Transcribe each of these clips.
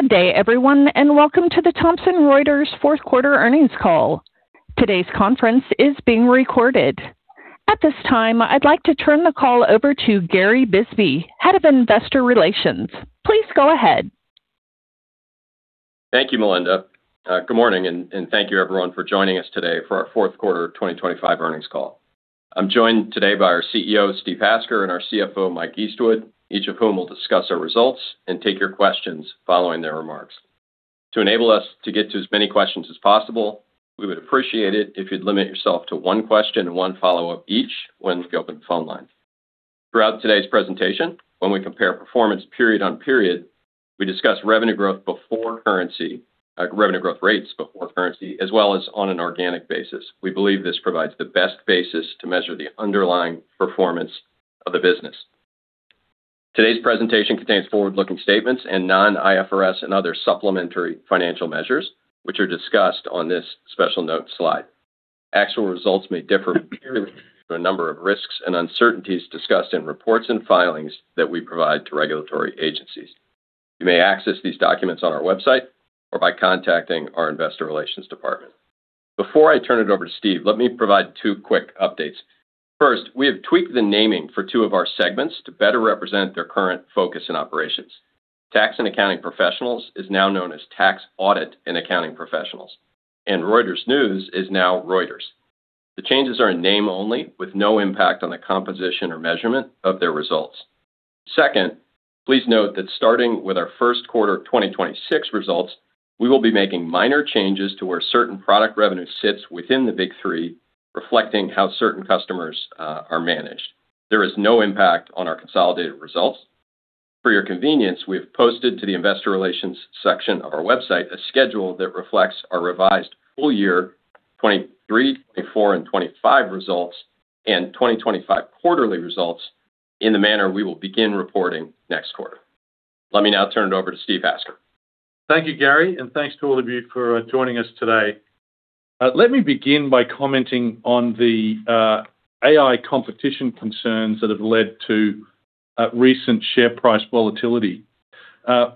Good day, everyone, and welcome to the Thomson Reuters fourth quarter earnings call. Today's conference is being recorded. At this time, I'd like to turn the call over to Gary Bisbee, Head of Investor Relations. Please go ahead. Thank you, Melinda. Good morning, and, and thank you, everyone, for joining us today for our fourth quarter 2025 earnings call. I'm joined today by our CEO, Steve Hasker, and our CFO, Mike Eastwood, each of whom will discuss our results and take your questions following their remarks. To enable us to get to as many questions as possible, we would appreciate it if you'd limit yourself to one question and one follow-up each when we open the phone line. Throughout today's presentation, when we compare performance period on period, we discuss revenue growth before currency, revenue growth rates before currency, as well as on an organic basis. We believe this provides the best basis to measure the underlying performance of the business. Today's presentation contains forward-looking statements and non-IFRS and other supplementary financial measures, which are discussed on this special note slide. Actual results may differ from a number of risks and uncertainties discussed in reports and filings that we provide to regulatory agencies. You may access these documents on our website or by contacting our investor relations department. Before I turn it over to Steve, let me provide two quick updates. First, we have tweaked the naming for two of our segments to better represent their current focus and operations. Tax & Accounting Professionals is now known as Tax, Audit & Accounting Professionals, and Reuters News is now Reuters. The changes are in name only, with no impact on the composition or measurement of their results. Second, please note that starting with our first quarter of 2026 results, we will be making minor changes to where certain product revenue sits within Big 3, reflecting how certain customers are managed. There is no impact on our consolidated results. For your convenience, we've posted to the Investor Relations section of our website a schedule that reflects our revised full year 2023, 2024, and 2025 results, and 2025 quarterly results in the manner we will begin reporting next quarter. Let me now turn it over to Steve Hasker. Thank you, Gary, and thanks to all of you for joining us today. Let me begin by commenting on the AI competition concerns that have led to recent share price volatility.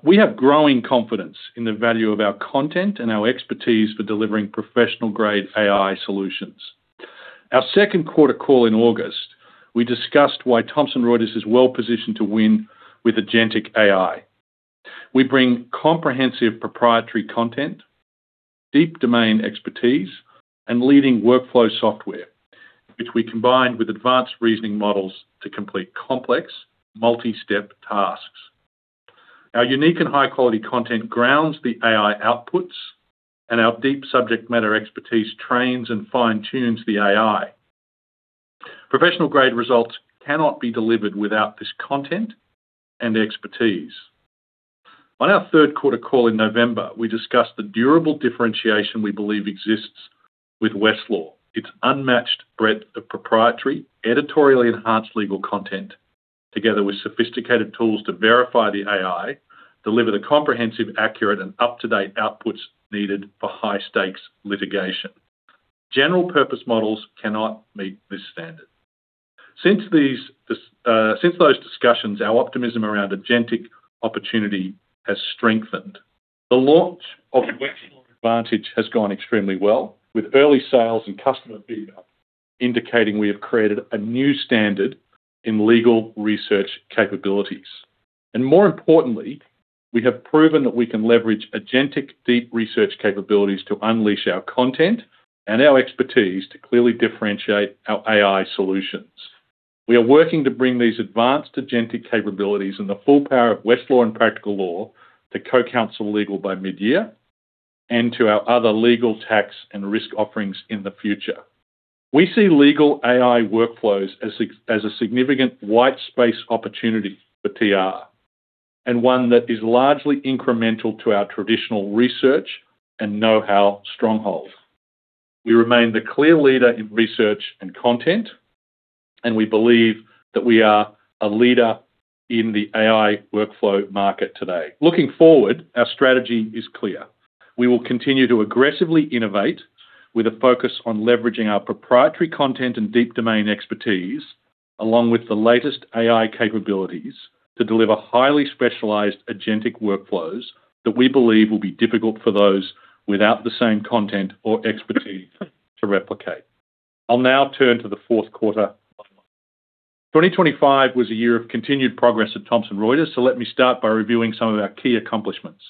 We have growing confidence in the value of our content and our expertise for delivering professional-grade AI solutions. Our second quarter call in August, we discussed why Thomson Reuters is well-positioned to win with agentic AI. We bring comprehensive proprietary content, deep domain expertise, and leading workflow software, which we combine with advanced reasoning models to complete complex, multi-step tasks. Our unique and high-quality content grounds the AI outputs, and our deep subject matter expertise trains and fine-tunes the AI. Professional-grade results cannot be delivered without this content and expertise. On our third quarter call in November, we discussed the durable differentiation we believe exists with Westlaw. It's unmatched breadth of proprietary, editorially enhanced legal content, together with sophisticated tools to verify the AI, deliver the comprehensive, accurate, and up-to-date outputs needed for high-stakes litigation. General-purpose models cannot meet this standard. Since those discussions, our optimism around agentic opportunity has strengthened. The launch of Westlaw Advantage has gone extremely well, with early sales and customer feedback indicating we have created a new standard in legal research capabilities. And more importantly, we have proven that we can leverage agentic deep research capabilities to unleash our content and our expertise to clearly differentiate our AI solutions. We are working to bring these advanced agentic capabilities and the full power of Westlaw and Practical Law to CoCounsel Legal by mid-year, and to our other legal, tax, and risk offerings in the future. We see legal AI workflows as a significant white space opportunity for TR, and one that is largely incremental to our traditional research and know-how strongholds. We remain the clear leader in research and content, and we believe that we are a leader in the AI workflow market today. Looking forward, our strategy is clear: We will continue to aggressively innovate with a focus on leveraging our proprietary content and deep domain expertise, along with the latest AI capabilities, to deliver highly specialized agentic workflows that we believe will be difficult for those without the same content or expertise to replicate. I'll now turn to the fourth quarter. 2025 was a year of continued progress at Thomson Reuters, so let me start by reviewing some of our key accomplishments.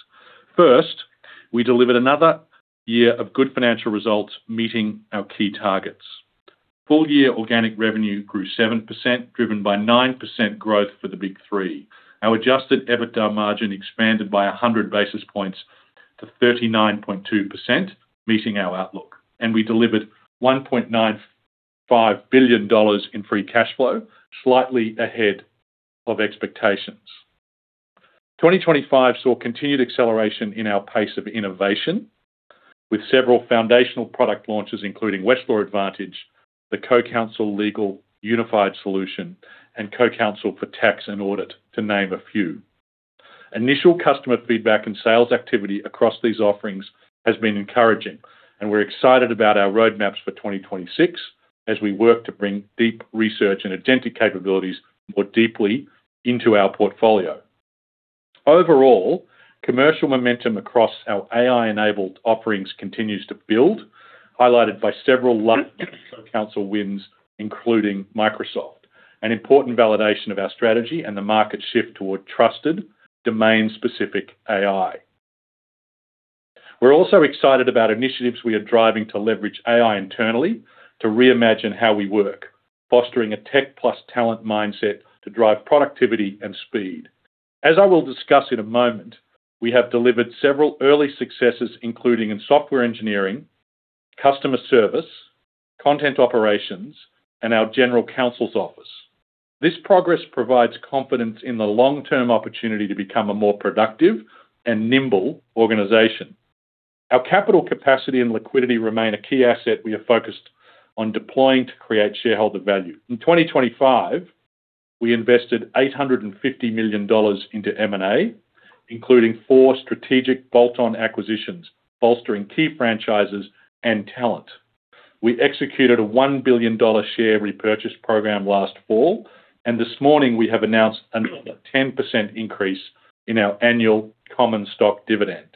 First, we delivered another year of good financial results, meeting our key targets. Full-year organic revenue grew 7%, driven by 9% growth for Big 3. Our adjusted EBITDA margin expanded by 100 basis points to 39.2%, meeting our outlook. We delivered $1.95 billion in free cash flow, slightly ahead of expectations. 2025 saw continued acceleration in our pace of innovation, with several foundational product launches, including Westlaw Advantage, the CoCounsel Legal Unified Solution, and CoCounsel for Tax and Audit, to name a few. Initial customer feedback and sales activity across these offerings has been encouraging, and we're excited about our roadmaps for 2026... as we work to bring deep research and agentic capabilities more deeply into our portfolio. Overall, commercial momentum across our AI-enabled offerings continues to build, highlighted by several large CoCounsel wins, including Microsoft, an important validation of our strategy and the market shift toward trusted, domain-specific AI. We're also excited about initiatives we are driving to leverage AI internally to reimagine how we work, fostering a tech plus talent mindset to drive productivity and speed. As I will discuss in a moment, we have delivered several early successes, including in software engineering, customer service, content operations, and our general counsel's office. This progress provides confidence in the long-term opportunity to become a more productive and nimble organization. Our capital capacity and liquidity remain a key asset we are focused on deploying to create shareholder value. In 2025, we invested $850 million into M&A, including four strategic bolt-on acquisitions, bolstering key franchises and talent. We executed a $1 billion share repurchase program last fall, and this morning we have announced a 10% increase in our annual common stock dividend.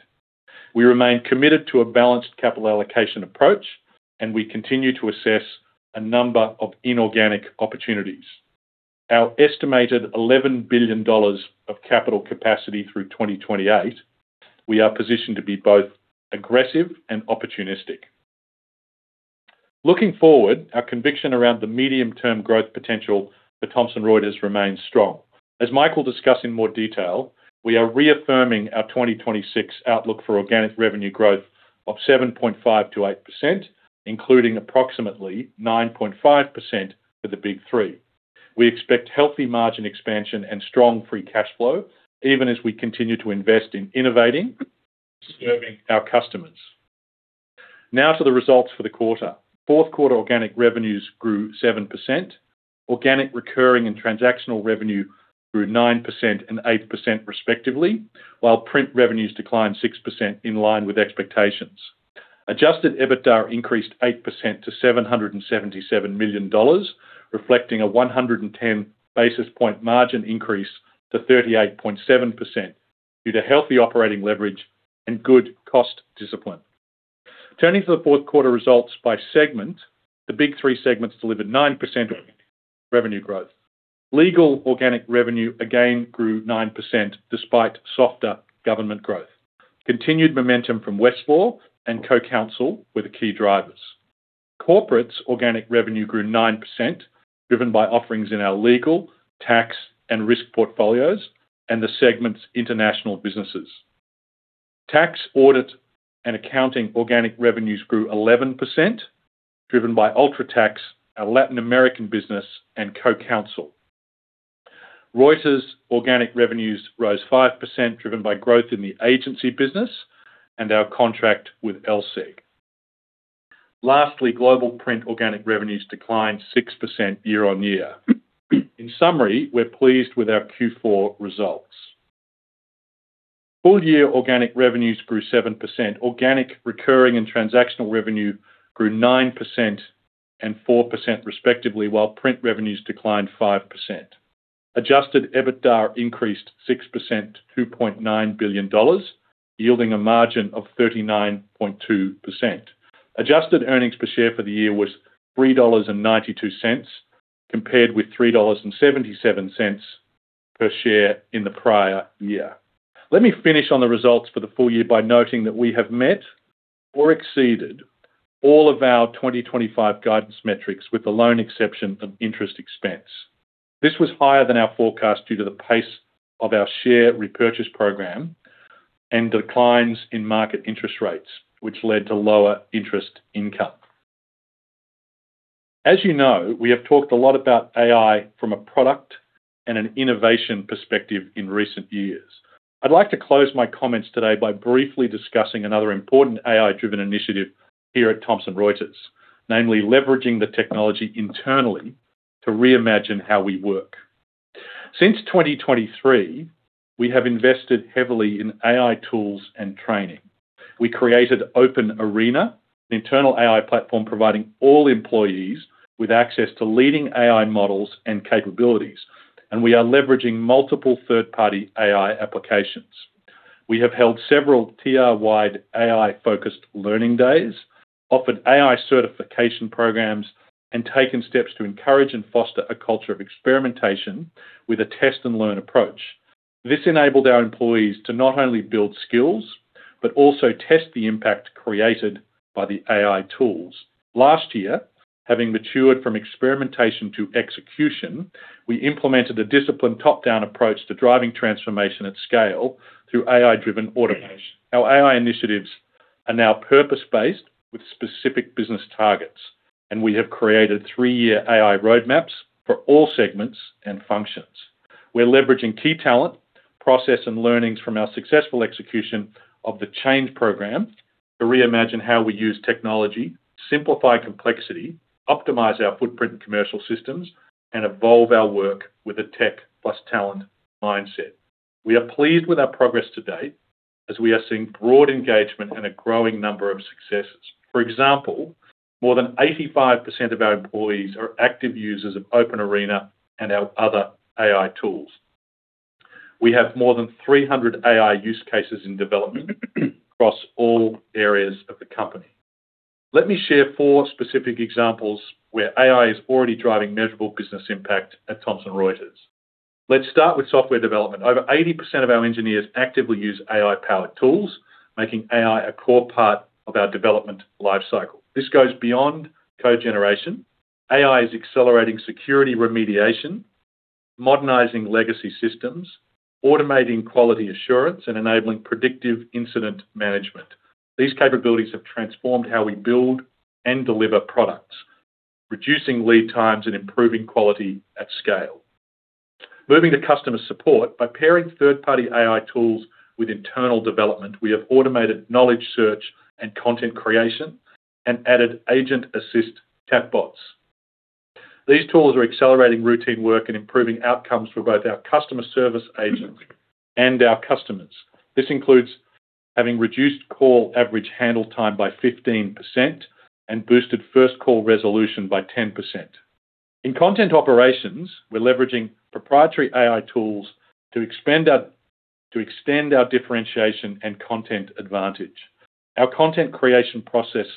We remain committed to a balanced capital allocation approach, and we continue to assess a number of inorganic opportunities. Our estimated $11 billion of capital capacity through 2028, we are positioned to be both aggressive and opportunistic. Looking forward, our conviction around the medium-term growth potential for Thomson Reuters remains strong. As Michael will discuss in more detail, we are reaffirming our 2026 outlook for organic revenue growth of 7.5%-8%, including approximately 9.5% for the Big 3. We expect healthy margin expansion and strong free cash flow, even as we continue to invest in innovating, serving our customers. Now to the results for the quarter. Fourth quarter organic revenues grew 7%. Organic, recurring, and transactional revenue grew 9% and 8% respectively, while print revenues declined 6% in line with expectations. Adjusted EBITDA increased 8% to $777 million, reflecting a 110 basis point margin increase to 38.7% due to healthy operating leverage and good cost discipline. Turning to the fourth quarter results by segment, Big 3 segments delivered 9% revenue growth. Legal organic revenue again grew 9%, despite softer government growth. Continued momentum from Westlaw and CoCounsel were the key drivers. Corporate's organic revenue grew 9%, driven by offerings in our legal, tax, and risk portfolios and the segment's international businesses. Tax, Audit, & Accounting organic revenues grew 11%, driven by UltraTax, our Latin American business, and CoCounsel. Reuters' organic revenues rose 5%, driven by growth in the agency business and our contract with LSEG. Lastly, global print organic revenues declined 6% year-on-year. In summary, we're pleased with our Q4 results. Full-year organic revenues grew 7%. Organic, recurring, and transactional revenue grew 9% and 4%, respectively, while print revenues declined 5%. Adjusted EBITDA increased 6% to $2.9 billion, yielding a margin of 39.2%. Adjusted earnings per share for the year was $3.92, compared with $3.77 per share in the prior year. Let me finish on the results for the full year by noting that we have met or exceeded all of our 2025 guidance metrics, with the lone exception of interest expense. This was higher than our forecast due to the pace of our share repurchase program and declines in market interest rates, which led to lower interest income. As you know, we have talked a lot about AI from a product and an innovation perspective in recent years. I'd like to close my comments today by briefly discussing another important AI-driven initiative here at Thomson Reuters, namely leveraging the technology internally to reimagine how we work. Since 2023, we have invested heavily in AI tools and training. We created Open Arena, an internal AI platform, providing all employees with access to leading AI models and capabilities, and we are leveraging multiple third-party AI applications. We have held several TR-wide AI-focused learning days, offered AI certification programs, and taken steps to encourage and foster a culture of experimentation with a test-and-learn approach. This enabled our employees to not only build skills, but also test the impact created by the AI tools. Last year, having matured from experimentation to execution, we implemented a disciplined top-down approach to driving transformation at scale through AI-driven automation. Our AI initiatives are now purpose-based with specific business targets, and we have created three-year AI roadmaps for all segments and functions. We're leveraging key talent, process, and learnings from our successful execution of the change program to reimagine how we use technology, simplify complexity, optimize our footprint and commercial systems, and evolve our work with a tech plus talent mindset. We are pleased with our progress to date... as we are seeing broad engagement and a growing number of successes. For example, more than 85% of our employees are active users of Open Arena and our other AI tools. We have more than 300 AI use cases in development across all areas of the company. Let me share four specific examples where AI is already driving measurable business impact at Thomson Reuters. Let's start with software development. Over 80% of our engineers actively use AI-powered tools, making AI a core part of our development lifecycle. This goes beyond code generation. AI is accelerating security remediation, modernizing legacy systems, automating quality assurance, and enabling predictive incident management. These capabilities have transformed how we build and deliver products, reducing lead times and improving quality at scale. Moving to customer support. By pairing third-party AI tools with internal development, we have automated knowledge search and content creation and added agent-assist chatbots. These tools are accelerating routine work and improving outcomes for both our customer service agents and our customers. This includes having reduced call average handle time by 15% and boosted first call resolution by 10%. In content operations, we're leveraging proprietary AI tools to extend our differentiation and content advantage. Our content creation process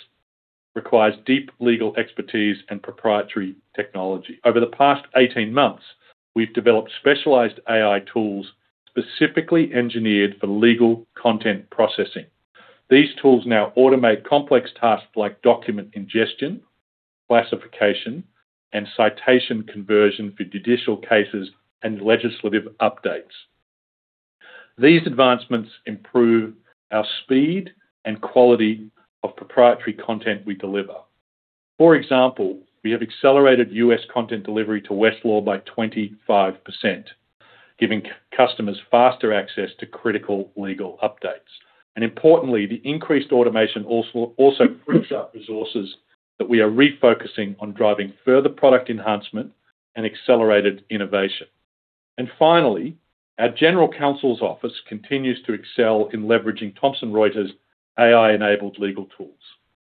requires deep legal expertise and proprietary technology. Over the past 18 months, we've developed specialized AI tools specifically engineered for legal content processing. These tools now automate complex tasks like document ingestion, classification, and citation conversion for judicial cases and legislative updates. These advancements improve our speed and quality of proprietary content we deliver. For example, we have accelerated U.S. content delivery to Westlaw by 25%, giving customers faster access to critical legal updates. And importantly, the increased automation also frees up resources that we are refocusing on driving further product enhancement and accelerated innovation. And finally, our general counsel's office continues to excel in leveraging Thomson Reuters' AI-enabled legal tools.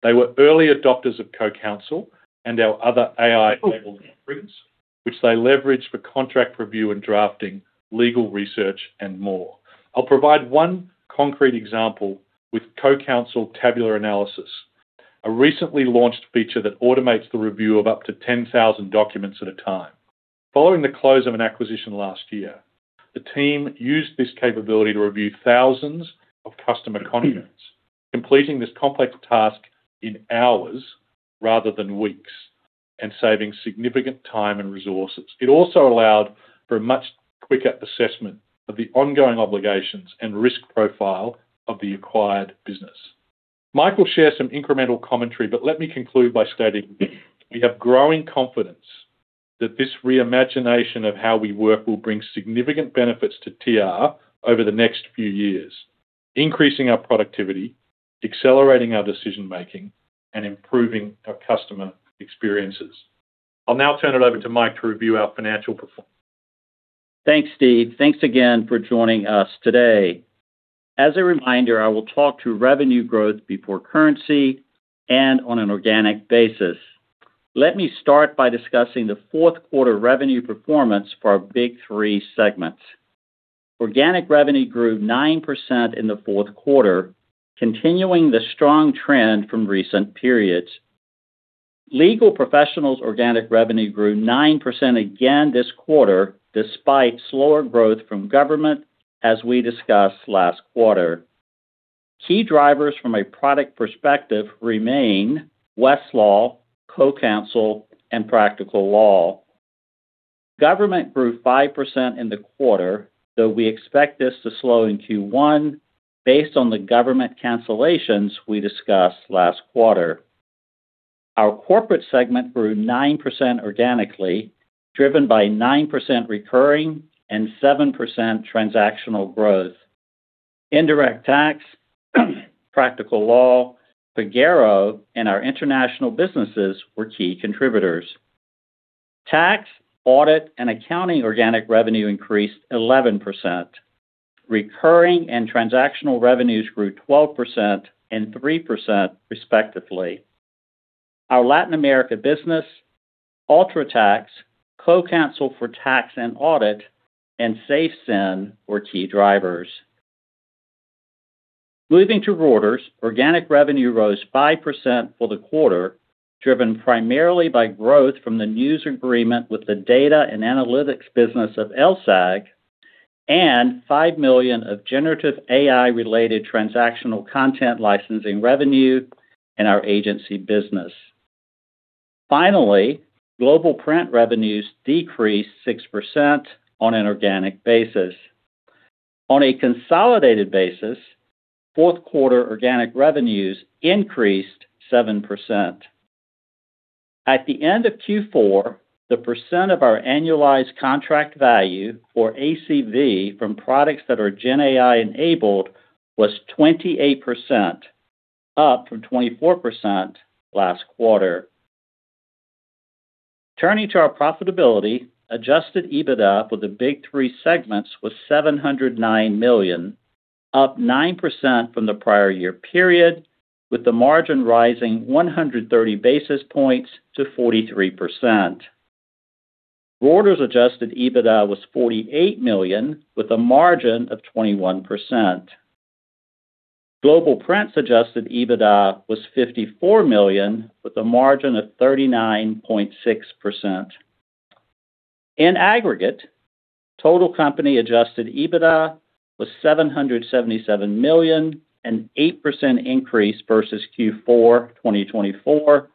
They were early adopters of CoCounsel and our other AI-enabled offerings, which they leveraged for contract review and drafting, legal research, and more. I'll provide one concrete example with CoCounsel tabular analysis, a recently launched feature that automates the review of up to 10,000 documents at a time. Following the close of an acquisition last year, the team used this capability to review thousands of customer documents, completing this complex task in hours rather than weeks, and saving significant time and resources. It also allowed for a much quicker assessment of the ongoing obligations and risk profile of the acquired business. Mike will share some incremental commentary, but let me conclude by stating: we have growing confidence that this reimagination of how we work will bring significant benefits to TR over the next few years, increasing our productivity, accelerating our decision-making, and improving our customer experiences. I'll now turn it over to Mike to review our financial performance. Thanks, Steve. Thanks again for joining us today. As a reminder, I will talk to revenue growth before currency and on an organic basis. Let me start by discussing the fourth quarter revenue performance for Big 3 segments. Organic revenue grew 9% in the fourth quarter, continuing the strong trend from recent periods. Legal Professionals’ organic revenue grew 9% again this quarter, despite slower growth from government, as we discussed last quarter. Key drivers from a product perspective remain Westlaw, CoCounsel, and Practical Law. Government grew 5% in the quarter, though we expect this to slow in Q1 based on the government cancellations we discussed last quarter. Our Corporates segment grew 9% organically, driven by 9% recurring and 7% transactional growth. Indirect Tax, Practical Law, Pagero, and our international businesses were key contributors. Tax, Audit, & Accounting organic revenue increased 11%. Recurring and transactional revenues grew 12% and 3%, respectively. Our Latin America business, UltraTax, CoCounsel for Tax and Audit, and SafeSend were key drivers. Moving to Reuters, organic revenue rose 5% for the quarter, driven primarily by growth from the news agreement with the data and analytics business of LSEG and $5 million of generative AI-related transactional content licensing revenue in our agency business. Finally, global print revenues decreased 6% on an organic basis. On a consolidated basis, fourth-quarter organic revenues increased 7%. At the end of Q4, the percent of our annualized contract value, or ACV, from products that are GenAI-enabled was 28%, up from 24% last quarter.... Turning to our profitability, adjusted EBITDA for Big 3 segments was $709 million, up 9% from the prior year period, with the margin rising 130 basis points to 43%. Others adjusted EBITDA was $48 million, with a margin of 21%. Global Print's adjusted EBITDA was $54 million, with a margin of 39.6%. In aggregate, total company adjusted EBITDA was $777 million, an 8% increase versus Q4 2024,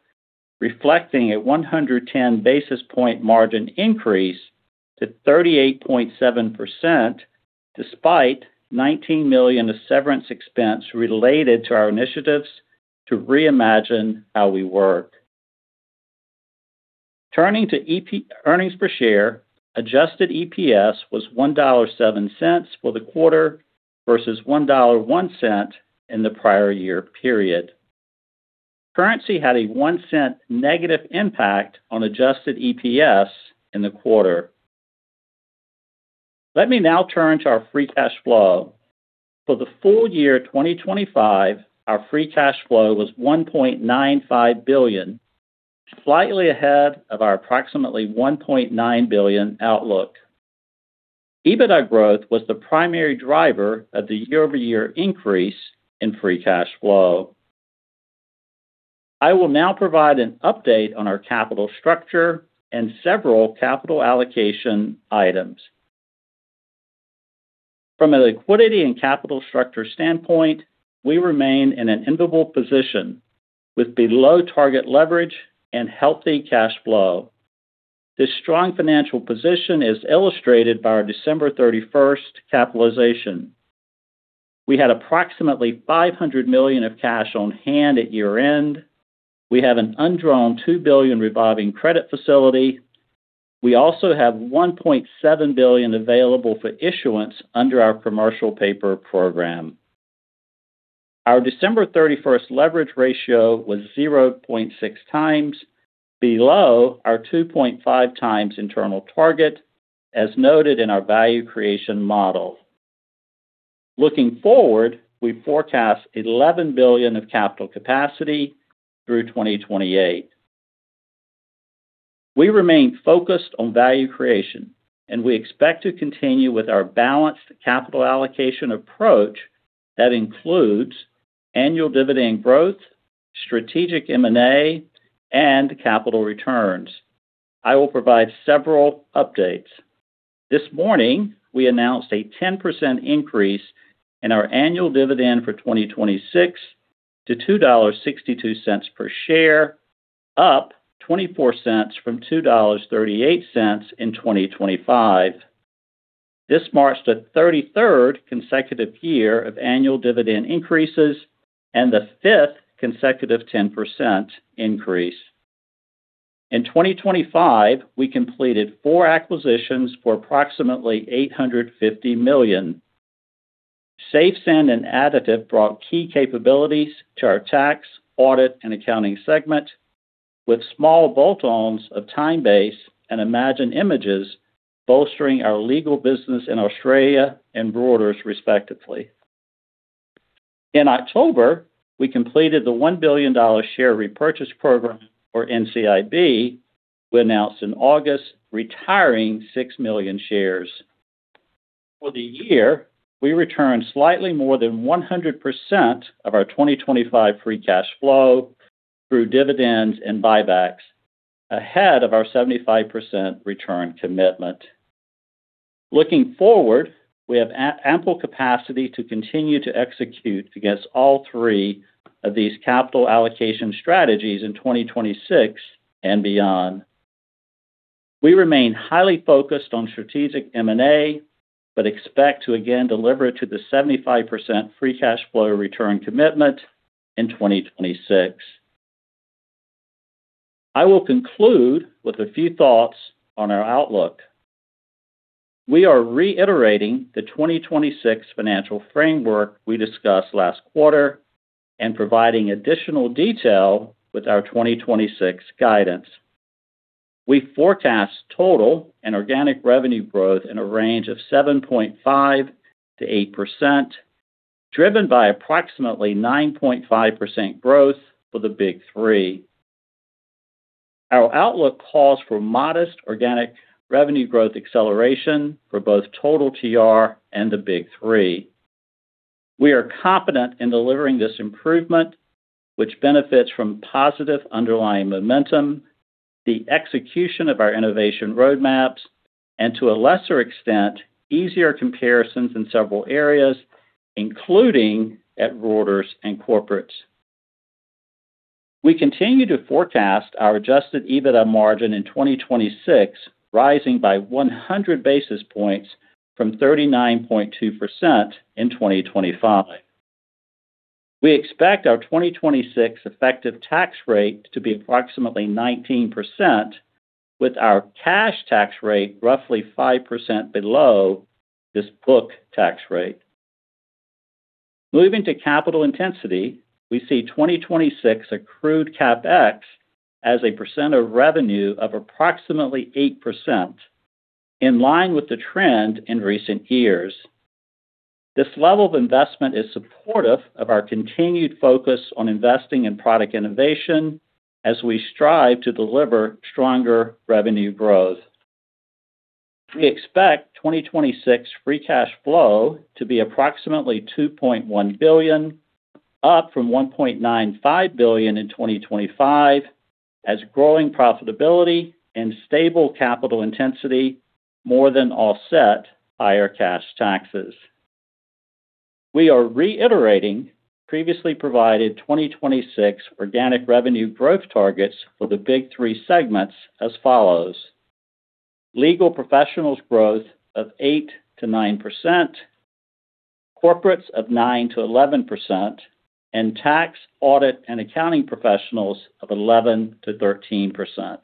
reflecting a 110 basis points margin increase to 38.7%, despite $19 million of severance expense related to our initiatives to reimagine how we work. Turning to earnings per share, adjusted EPS was $1.07 for the quarter versus $1.01 in the prior year period. Currency had a $0.01 negative impact on adjusted EPS in the quarter. Let me now turn to our free cash flow. For the full year 2025, our free cash flow was $1.95 billion, slightly ahead of our approximately $1.9 billion outlook. EBITDA growth was the primary driver of the year-over-year increase in free cash flow. I will now provide an update on our capital structure and several capital allocation items. From a liquidity and capital structure standpoint, we remain in an enviable position with below-target leverage and healthy cash flow. This strong financial position is illustrated by our December 31st capitalization. We had approximately $500 million of cash on hand at year-end. We have an undrawn $2 billion revolving credit facility. We also have $1.7 billion available for issuance under our commercial paper program. Our December 31st leverage ratio was 0.6x, below our 2.5x internal target, as noted in our value creation model. Looking forward, we forecast $11 billion of capital capacity through 2028. We remain focused on value creation, and we expect to continue with our balanced capital allocation approach that includes annual dividend growth, strategic M&A, and capital returns. I will provide several updates. This morning, we announced a 10% increase in our annual dividend for 2026 to $2.62 per share, up $0.24 from $2.38 in 2025. This marks the 33rd consecutive year of annual dividend increases and the 5th consecutive 10% increase. In 2025, we completed four acquisitions for approximately $850 million. SafeSend and Additive brought key capabilities to our Tax, Audit & Accounting segment, with small bolt-ons of TimeBase and Imagen, bolstering our legal business in Australia and abroad, respectively. In October, we completed the $1 billion share repurchase program for NCIB. We announced in August, retiring 6 million shares. For the year, we returned slightly more than 100% of our 2025 free cash flow through dividends and buybacks, ahead of our 75% return commitment. Looking forward, we have ample capacity to continue to execute against all three of these capital allocation strategies in 2026 and beyond. We remain highly focused on strategic M&A, but expect to again deliver to the 75% free cash flow return commitment in 2026. I will conclude with a few thoughts on our outlook. We are reiterating the 2026 financial framework we discussed last quarter and providing additional detail with our 2026 guidance. We forecast total and organic revenue growth in a range of 7.5%-8%, driven by approximately 9.5% growth for the Big 3. Our outlook calls for modest organic revenue growth acceleration for both total TR and the Big 3. We are confident in delivering this improvement, which benefits from positive underlying momentum, the execution of our innovation roadmaps, and to a lesser extent, easier comparisons in several areas, including at Reuters and Corporate. We continue to forecast our adjusted EBITDA margin in 2026, rising by 100 basis points from 39.2% in 2025. We expect our 2026 effective tax rate to be approximately 19%, with our cash tax rate roughly 5% below this book tax rate. Moving to capital intensity, we see 2026 accrued CapEx as a percent of revenue of approximately 8%, in line with the trend in recent years. This level of investment is supportive of our continued focus on investing in product innovation as we strive to deliver stronger revenue growth. We expect 2026 free cash flow to be approximately $2.1 billion, up from $1.95 billion in 2025, as growing profitability and stable capital intensity more than offset higher cash taxes. We are reiterating previously provided 2026 organic revenue growth targets for Big 3 segments as follows: Legal Professionals growth of 8%-9%, Corporates of 9%-11%, and Tax, Audit, & Accounting Professionals of 11%-13%.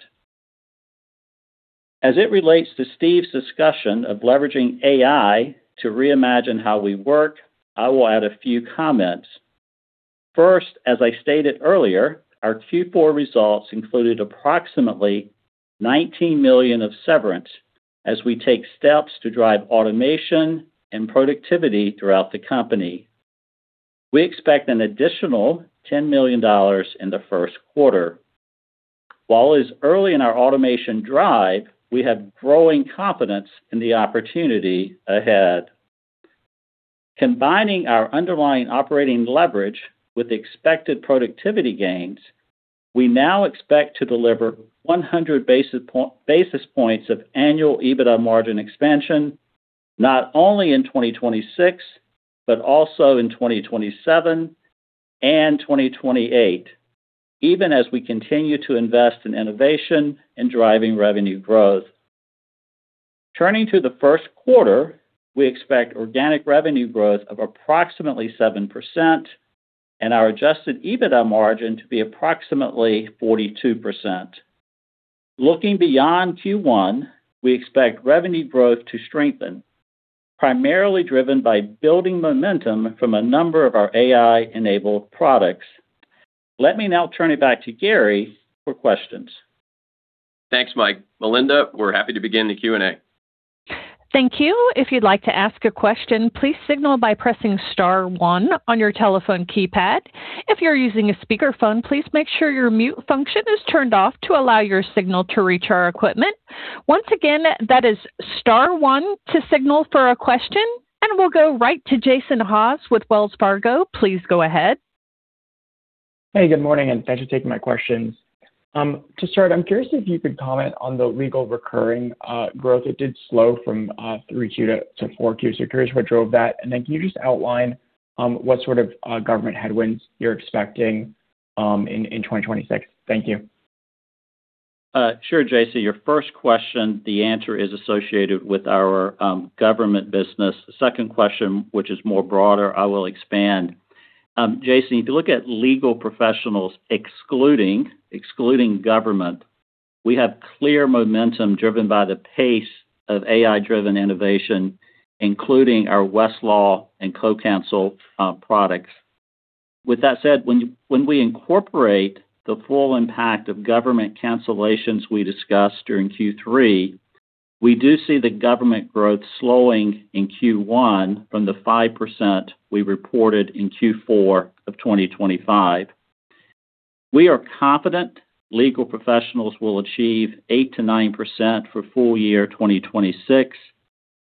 As it relates to Steve's discussion of leveraging AI to reimagine how we work, I will add a few comments. First, as I stated earlier, our Q4 results included approximately $19 million of severance as we take steps to drive automation and productivity throughout the company. We expect an additional $10 million in the first quarter. While it's early in our automation drive, we have growing confidence in the opportunity ahead. Combining our underlying operating leverage with the expected productivity gains, we now expect to deliver 100 basis points of annual EBITDA margin expansion, not only in 2026, but also in 2027 and 2028, even as we continue to invest in innovation and driving revenue growth. Turning to the first quarter, we expect organic revenue growth of approximately 7% and our adjusted EBITDA margin to be approximately 42%. Looking beyond Q1, we expect revenue growth to strengthen, primarily driven by building momentum from a number of our AI-enabled products. Let me now turn it back to Gary for questions. Thanks, Mike. Melinda, we're happy to begin the Q&A. Thank you. If you'd like to ask a question, please signal by pressing star one on your telephone keypad. If you're using a speakerphone, please make sure your mute function is turned off to allow your signal to reach our equipment. Once again, that is star one to signal for a question, and we'll go right to Jason Haas with Wells Fargo. Please go ahead. Hey, good morning, and thanks for taking my questions. To start, I'm curious if you could comment on the legal recurring growth. It did slow from 3Q to 4Q, so curious what drove that. And then can you just outline what sort of government headwinds you're expecting in 2026? Thank you. Sure, Jason. Your first question, the answer is associated with our government business. Second question, which is more broader, I will expand. Jason, if you look at Legal Professionals, excluding government, we have clear momentum driven by the pace of AI-driven innovation, including our Westlaw and CoCounsel products. With that said, when we incorporate the full impact of government cancellations we discussed during Q3, we do see the government growth slowing in Q1 from the 5% we reported in Q4 of 2025. We are confident Legal Professionals will achieve 8%-9% for full year 2026.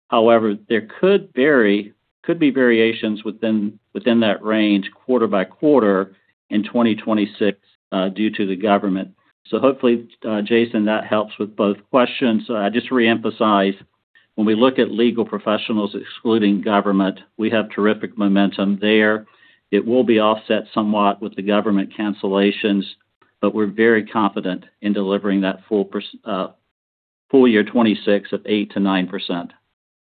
However, there could vary, could be variations within that range quarter by quarter in 2026 due to the government. So hopefully, Jason, that helps with both questions. Just to reemphasize, when we look at Legal Professionals, excluding government, we have terrific momentum there. It will be offset somewhat with the government cancellations, but we're very confident in delivering that full year 2026 of 8%-9%.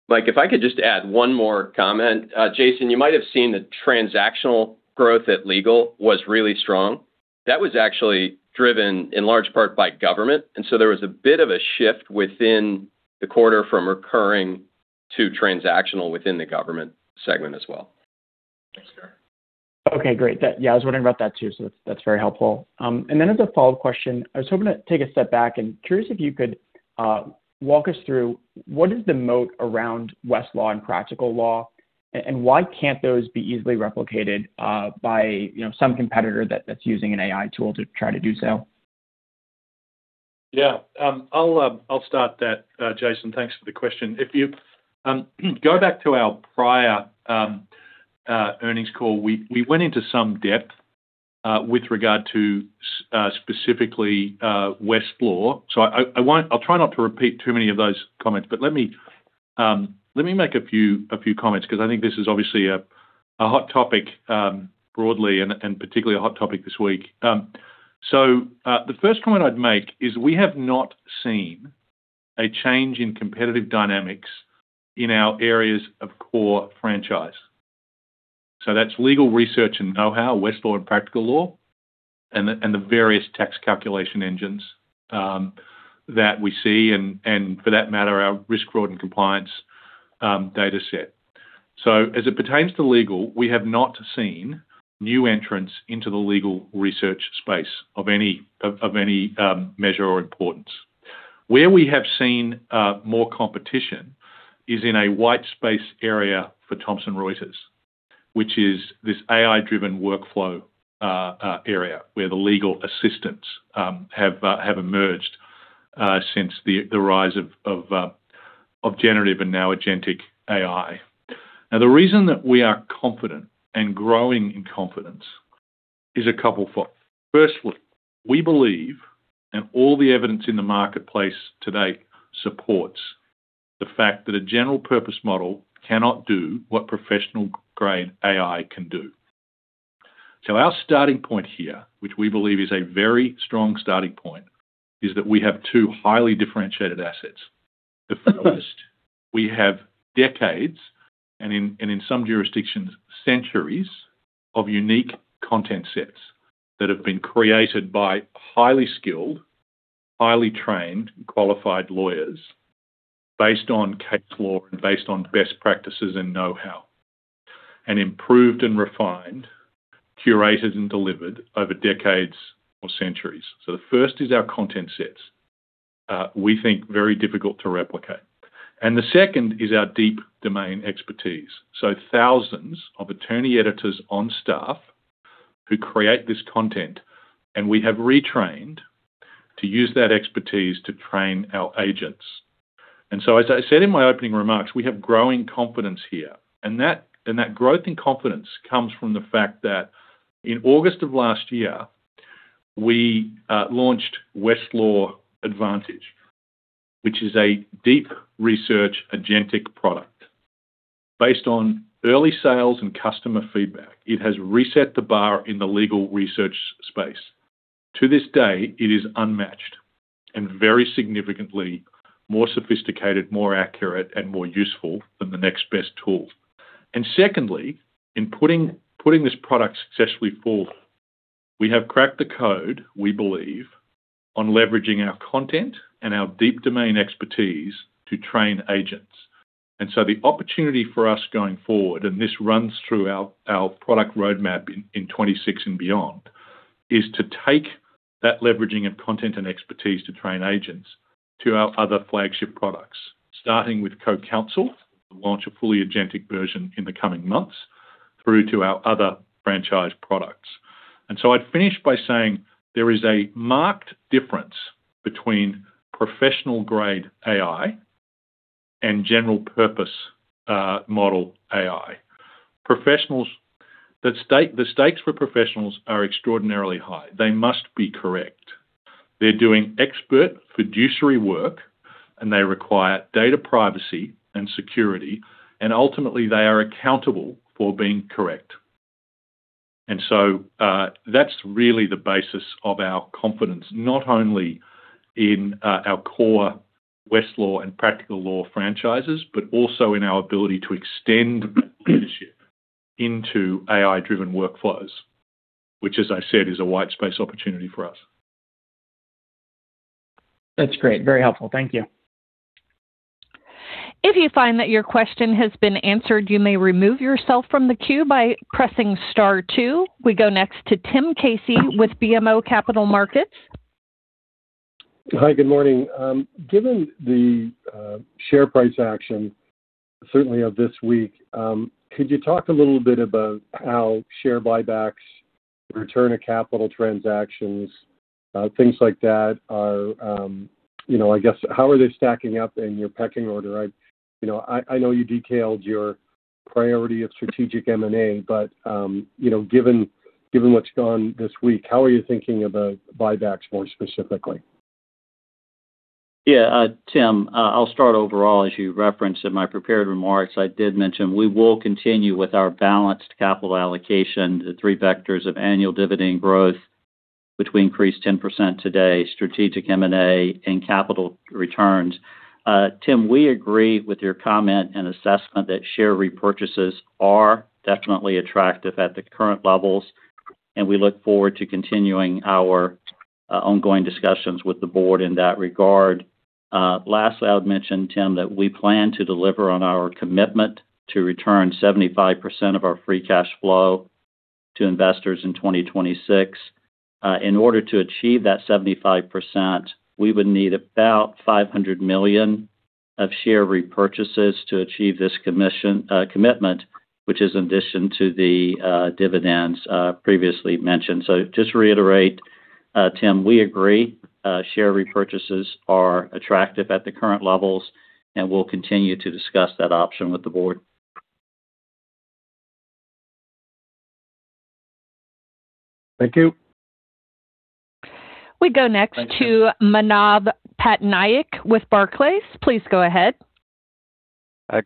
Mike, if I could just add one more comment. Jason, you might have seen the transactional growth at Legal was really strong. That was actually driven in large part by government, and so there was a bit of a shift within the quarter from recurring to transactional within the government segment as well. Thanks, Gary. Okay, great. That... Yeah, I was wondering about that too, so that's, that's very helpful. And then as a follow-up question, I was hoping to take a step back, and curious if you could walk us through what is the moat around Westlaw and Practical Law, and why can't those be easily replicated by, you know, some competitor that's using an AI tool to try to do so? Yeah. I'll start that, Jason. Thanks for the question. If you go back to our prior earnings call, we went into some depth with regard to specifically Westlaw. So I won't—I'll try not to repeat too many of those comments, but let me make a few comments, 'cause I think this is obviously a hot topic broadly and particularly a hot topic this week. So the first point I'd make is we have not seen a change in competitive dynamics in our areas of core franchise. So that's legal research and know-how, Westlaw and Practical Law and the various tax calculation engines that we see and for that matter, our risk, fraud, and compliance data set. So as it pertains to legal, we have not seen new entrants into the legal research space of any measure or importance. Where we have seen more competition is in a white space area for Thomson Reuters, which is this AI-driven workflow area, where the legal assistants have emerged since the rise of generative and now agentic AI. Now, the reason that we are confident and growing in confidence is a couple-fold. Firstly, we believe, and all the evidence in the marketplace today supports the fact, that a general purpose model cannot do what professional-grade AI can do. So our starting point here, which we believe is a very strong starting point, is that we have two highly differentiated assets. The first, we have decades, and in some jurisdictions, centuries, of unique content sets that have been created by highly skilled, highly trained, qualified lawyers based on case law and based on best practices and know-how, and improved and refined, curated and delivered over decades or centuries. So the first is our content sets, we think very difficult to replicate. And the second is our deep domain expertise, so thousands of attorney editors on staff who create this content, and we have retrained to use that expertise to train our agents. And so as I said in my opening remarks, we have growing confidence here, and that growth and confidence comes from the fact that in August of last year, we launched Westlaw Advantage, which is a deep research agentic product. Based on early sales and customer feedback, it has reset the bar in the legal research space. To this day, it is unmatched and very significantly more sophisticated, more accurate, and more useful than the next best tool. And secondly, in putting, putting this product successfully forward, we have cracked the code, we believe, on leveraging our content and our deep domain expertise to train agents. And so the opportunity for us going forward, and this runs through our, our product roadmap in, in 2026 and beyond, is to take that leveraging of content and expertise to train agents to our other flagship products, starting with CoCounsel, launch a fully agentic version in the coming months, through to our other franchise products. And so I'd finish by saying there is a marked difference between professional-grade AI and general purpose model AI. Professionals—the stakes for professionals are extraordinarily high. They must be correct. They're doing expert fiduciary work, and they require data privacy and security, and ultimately, they are accountable for being correct. And so, that's really the basis of our confidence, not only in, our core Westlaw and Practical Law franchises, but also in our ability to extend leadership into AI-driven workflows, which, as I said, is a white space opportunity for us. That's great. Very helpful. Thank you. If you find that your question has been answered, you may remove yourself from the queue by pressing star two. We go next to Tim Casey with BMO Capital Markets. Hi, good morning. Given the share price action, certainly of this week, could you talk a little bit about how share buybacks, return of capital transactions, things like that are, you know, I guess, how are they stacking up in your pecking order? I, you know, I, I know you detailed your priority of strategic M&A, but, you know, given what's gone this week, how are you thinking about buybacks, more specifically? Yeah, Tim, I'll start overall, as you referenced in my prepared remarks, I did mention we will continue with our balanced capital allocation, the three vectors of annual dividend growth, which we increased 10% today, strategic M&A, and capital returns. Tim, we agree with your comment and assessment that share repurchases are definitely attractive at the current levels, and we look forward to continuing our ongoing discussions with the board in that regard. Lastly, I would mention, Tim, that we plan to deliver on our commitment to return 75% of our free cash flow to investors in 2026. In order to achieve that 75%, we would need about $500 million of share repurchases to achieve this commitment, which is in addition to the dividends previously mentioned. Just to reiterate, Tim, we agree, share repurchases are attractive at the current levels, and we'll continue to discuss that option with the board. Thank you. We go next to- Thank you. - Manav Patnaik with Barclays. Please go ahead.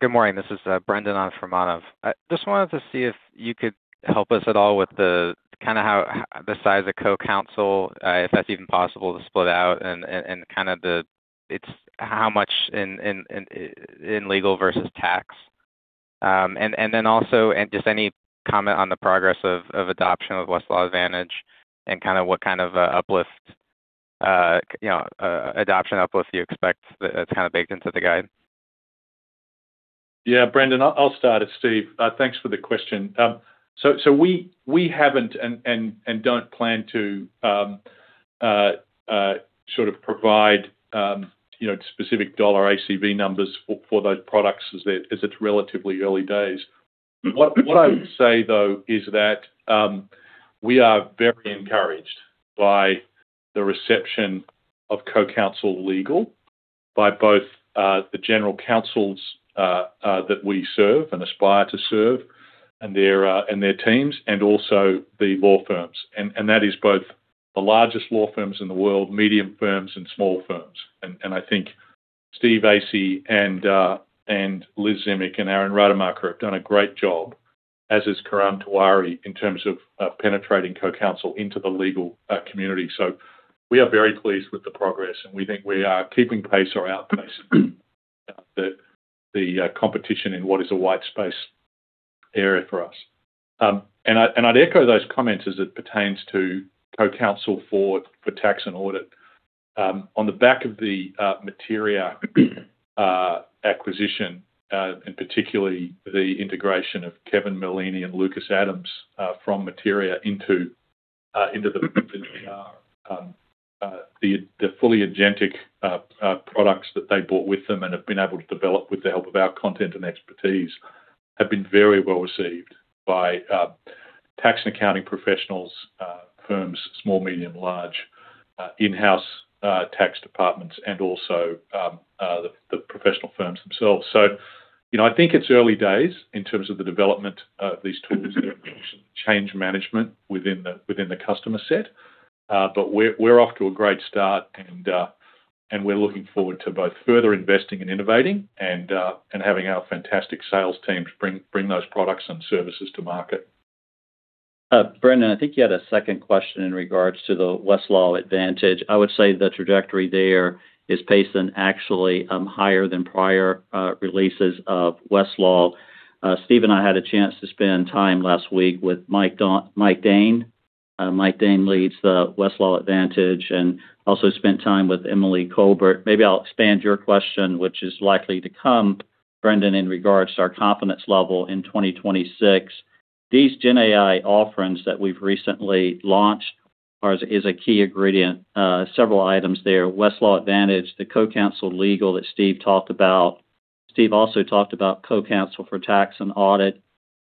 Good morning. This is, Brendan on from Manav. I just wanted to see if you could help us at all with the kind of how, the size of CoCounsel, if that's even possible, to split out and, and, and kind of the -- it's how much in, in, in, in legal versus tax? And, and then also, and just any comment on the progress of, of adoption of Westlaw Advantage and kind of what kind of, uplift, you know, adoption uplift you expect that's kind of baked into the guide? Yeah, Brendan, I'll start, it's Steve. Thanks for the question. So we haven't and don't plan to sort of provide, you know, specific dollar ACV numbers for those products, as it's relatively early days. What I would say, though, is that we are very encouraged by the reception of CoCounsel Legal by both the general counsels that we serve and aspire to serve and their teams, and also the law firms. And that is both the largest law firms in the world, medium firms and small firms. And I think Steve Assie and Liz Zimick and Aaron Rademacher have done a great job, as has Karan Tewari, in terms of penetrating CoCounsel into the legal community. So we are very pleased with the progress, and we think we are keeping pace or outpaced the competition in what is a white space area for us. And I'd echo those comments as it pertains to CoCounsel for tax and audit. On the back of the Materia acquisition, and particularly the integration of Kevin Moloney and Lucas Adams from Materia into the TR, the fully agentic products that they brought with them and have been able to develop with the help of our content and expertise, have been very well received by tax and Accounting Professionals, firms, small, medium, large, in-house tax departments, and also the professional firms themselves. So, you know, I think it's early days in terms of the development of these tools, change management within the customer set. But we're off to a great start, and we're looking forward to both further investing and innovating and having our fantastic sales teams bring those products and services to market. Brendan, I think you had a second question in regards to the Westlaw Advantage. I would say the trajectory there is pacing actually higher than prior releases of Westlaw. Steve and I had a chance to spend time last week with Mike Dahn. Mike Dahn leads the Westlaw Advantage, and also spent time with Emily Colbert. Maybe I'll expand your question, which is likely to come, Brendan, in regards to our confidence level in 2026. These GenAI offerings that we've recently launched are, is a key ingredient, several items there. Westlaw Advantage, the CoCounsel Legal that Steve talked about. Steve also talked about CoCounsel for tax and audit.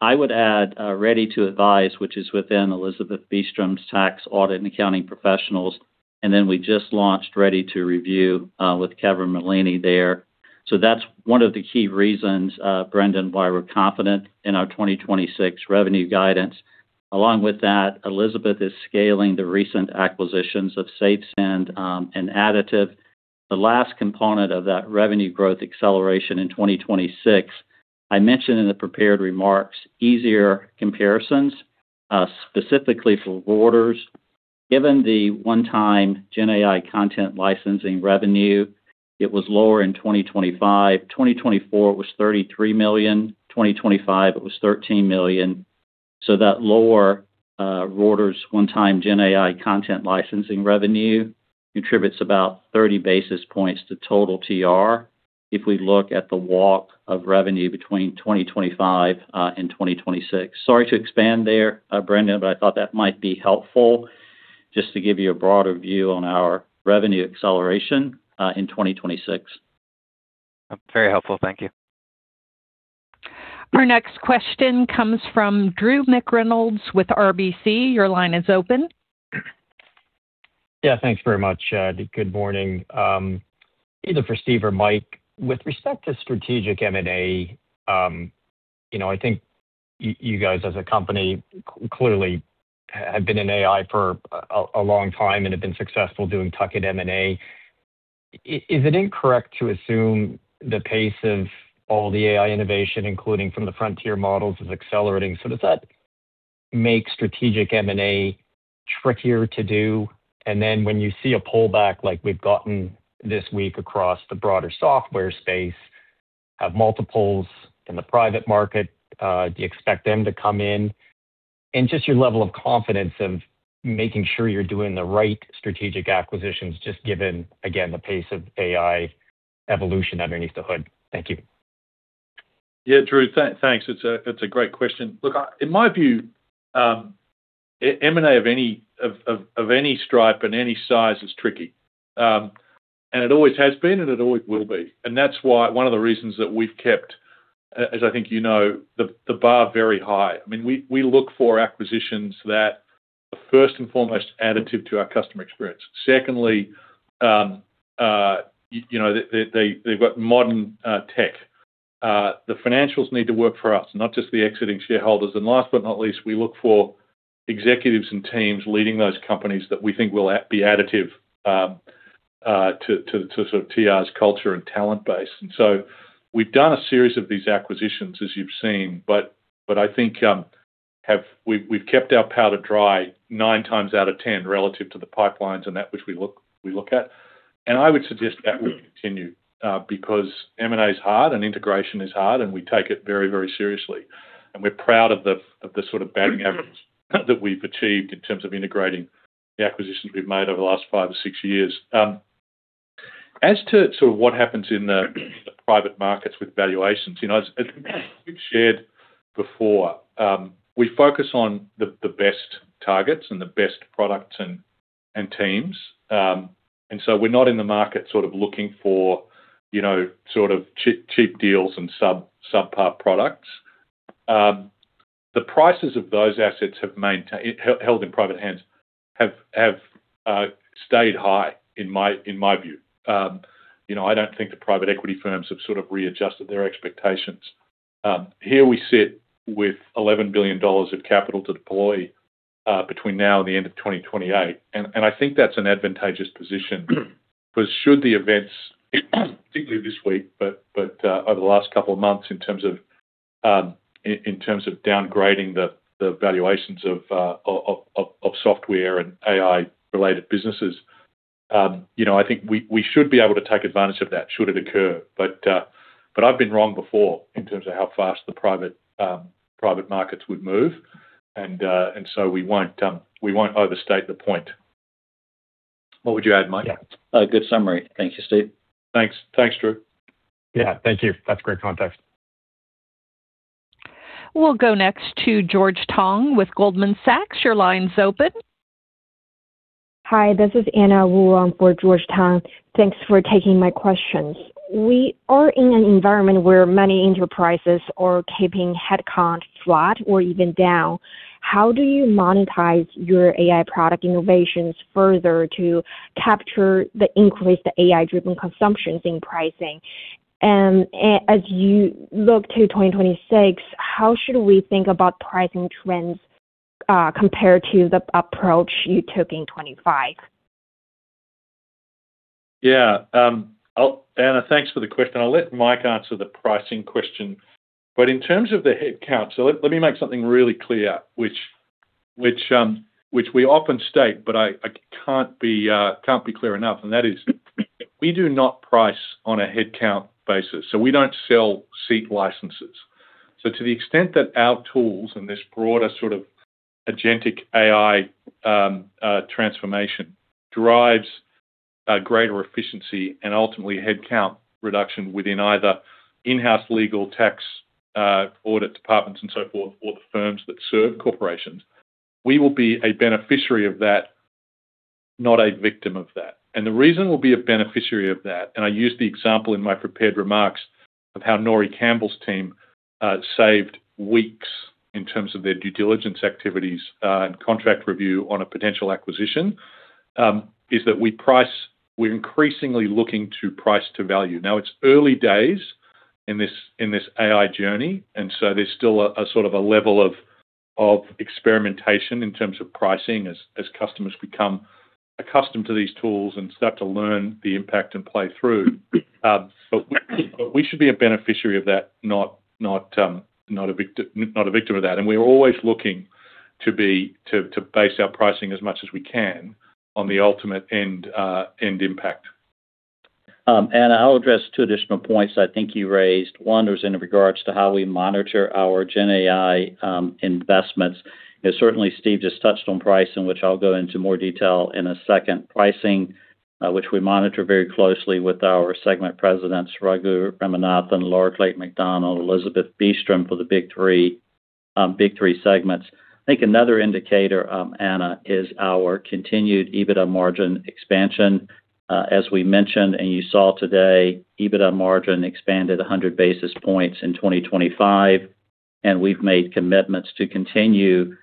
I would add Ready to Advise, which is within Elizabeth Beastrom's Tax, Audit, & Accounting Professionals. And then we just launched Ready to Review with Kevin Moloney there. So that's one of the key reasons, Brendan, why we're confident in our 2026 revenue guidance. Along with that, Elizabeth is scaling the recent acquisitions of SafeSend, and Additive. The last component of that revenue growth acceleration in 2026, I mentioned in the prepared remarks, easier comparisons, specifically for orders. Given the one-time GenAI content licensing revenue, it was lower in 2025. 2024 was $33 million. 2025, it was $13 million. So that lower, orders one-time GenAI content licensing revenue contributes about 30 basis points to total TR if we look at the walk of revenue between 2025, and 2026. Sorry to expand there, Brendan, but I thought that might be helpful, just to give you a broader view on our revenue acceleration, in 2026. Very helpful. Thank you. Our next question comes from Drew McReynolds with RBC. Your line is open. Yeah, thanks very much. Good morning. Either for Steve or Mike, with respect to strategic M&A, you know, I think you guys, as a company, clearly have been in AI for a long time and have been successful doing tuck-in M&A. Is it incorrect to assume the pace of all the AI innovation, including from the frontier models, is accelerating? So does that make strategic M&A trickier to do? And then when you see a pullback, like we've gotten this week across the broader software space, have multiples in the private market, do you expect them to come in? And just your level of confidence of making sure you're doing the right strategic acquisitions, just given, again, the pace of AI evolution underneath the hood. Thank you. Yeah, Drew, thanks. It's a great question. Look, in my view, M&A of any stripe and any size is tricky. And it always has been, and it always will be. And that's why one of the reasons that we've kept, as I think you know, the bar very high. I mean, we look for acquisitions that are, first and foremost, additive to our customer experience. Secondly, you know, they've got modern tech. The financials need to work for us, not just the exiting shareholders. And last but not least, we look for executives and teams leading those companies that we think will be additive to TR's culture and talent base. And so we've done a series of these acquisitions, as you've seen, but, but I think, have—we've, we've kept our powder dry nine times out of 10 relative to the pipelines and that which we look, we look at. And I would suggest that will continue, because M&A is hard and integration is hard, and we take it very, very seriously. And we're proud of the, of the sort of batting average that we've achieved in terms of integrating the acquisitions we've made over the last five or six years. As to sort of what happens in the, the private markets with valuations, you know, as, as we've shared before, we focus on the, the best targets and the best products and, and teams. And so we're not in the market sort of looking for, you know, sort of cheap deals and subpar products. The prices of those assets have been held in private hands, have stayed high in my view. You know, I don't think the private equity firms have sort of readjusted their expectations. Here we sit with $11 billion of capital to deploy, between now and the end of 2028, and I think that's an advantageous position. Because should the events, particularly this week, but over the last couple of months, in terms of downgrading the valuations of software and AI-related businesses, you know, I think we should be able to take advantage of that, should it occur. But I've been wrong before in terms of how fast the private markets would move, and so we won't overstate the point. What would you add, Mike? Yeah, a good summary. Thank you, Steve. Thanks. Thanks, Drew. Yeah. Thank you. That's great context. We'll go next to George Tong with Goldman Sachs. Your line's open. Hi, this is Anna Wu for George Tong. Thanks for taking my questions. We are in an environment where many enterprises are keeping headcounts flat or even down. How do you monetize your AI product innovations further to capture the increased AI-driven consumptions in pricing? And as you look to 2026, how should we think about pricing trends, compared to the approach you took in 2025? Yeah, I'll—Anna, thanks for the question. I'll let Mike answer the pricing question. But in terms of the headcount, so let me make something really clear, which we often state, but I can't be clear enough, and that is, we do not price on a headcount basis, so we don't sell seat licenses. So to the extent that our tools and this broader sort of agentic AI transformation drives a greater efficiency and ultimately headcount reduction within either in-house legal Tax, Audit departments and so forth, or the firms that serve corporations, we will be a beneficiary of that, not a victim of that. And the reason we'll be a beneficiary of that, and I used the example in my prepared remarks, of how Norie Campbell's team saved weeks in terms of their due diligence activities, and contract review on a potential acquisition, is that we price... We're increasingly looking to price to value. Now, it's early days in this, in this AI journey, and so there's still a sort of a level of experimentation in terms of pricing as customers become accustomed to these tools and start to learn the impact and play through. But we should be a beneficiary of that, not a victim of that. And we're always looking to base our pricing as much as we can on the ultimate end, end impact. Anna, I'll address two additional points I think you raised. One was in regards to how we monitor our GenAI investments. And certainly, Steve just touched on pricing, which I'll go into more detail in a second. Pricing, which we monitor very closely with our segment Presidents, Raghu Ramanathan, Laura Clayton McDonnell, Elizabeth Beastrom, for Big 3 segments. I think another indicator, Anna, is our continued EBITDA margin expansion. As we mentioned, and you saw today, EBITDA margin expanded 100 basis points in 2025, and we've made commitments to continue the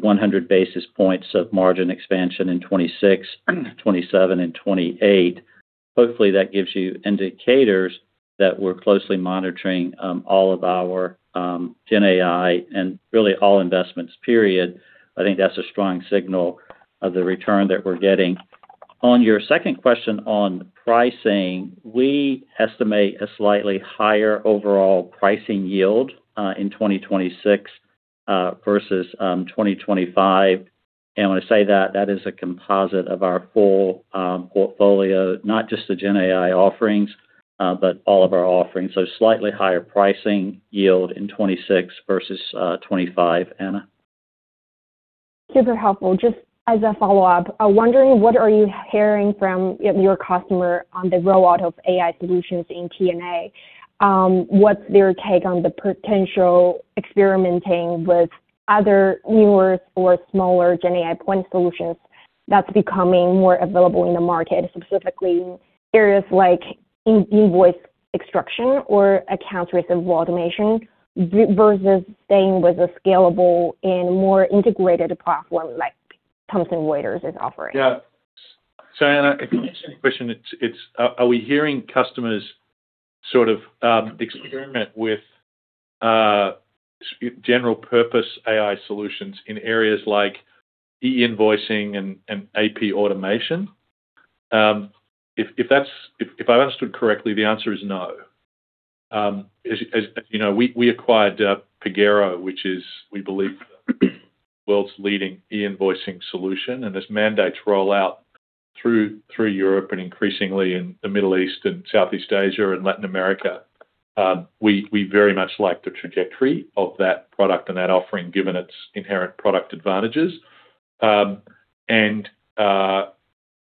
100 basis points of margin expansion in 2026, 2027 and 2028. Hopefully, that gives you indicators that we're closely monitoring all of our GenAI and really all investments, period. I think that's a strong signal of the return that we're getting. On your second question on pricing, we estimate a slightly higher overall pricing yield in 2026 versus 2025. And when I say that, that is a composite of our full portfolio, not just the GenAI offerings, but all of our offerings. So slightly higher pricing yield in 2026 versus 2025, Anna. Super helpful. Just as a follow-up, I'm wondering: What are you hearing from your customer on the rollout of AI solutions in T&A? What's their take on the potential experimenting with other newer or smaller GenAI point solutions that's becoming more available in the market, specifically areas like in e-invoice extraction or accounts receivable automation, versus staying with a scalable and more integrated platform like Thomson Reuters is offering? Yeah. So, Anna, if I understand the question, it's, are we hearing customers sort of experiment with general purpose AI solutions in areas like e-invoicing and AP automation? If that's, if I understood correctly, the answer is no. As, as you know, we acquired Pagero, which is, we believe, the world's leading e-invoicing solution. And as mandates roll out through Europe and increasingly in the Middle East and Southeast Asia and Latin America, we very much like the trajectory of that product and that offering, given its inherent product advantages. And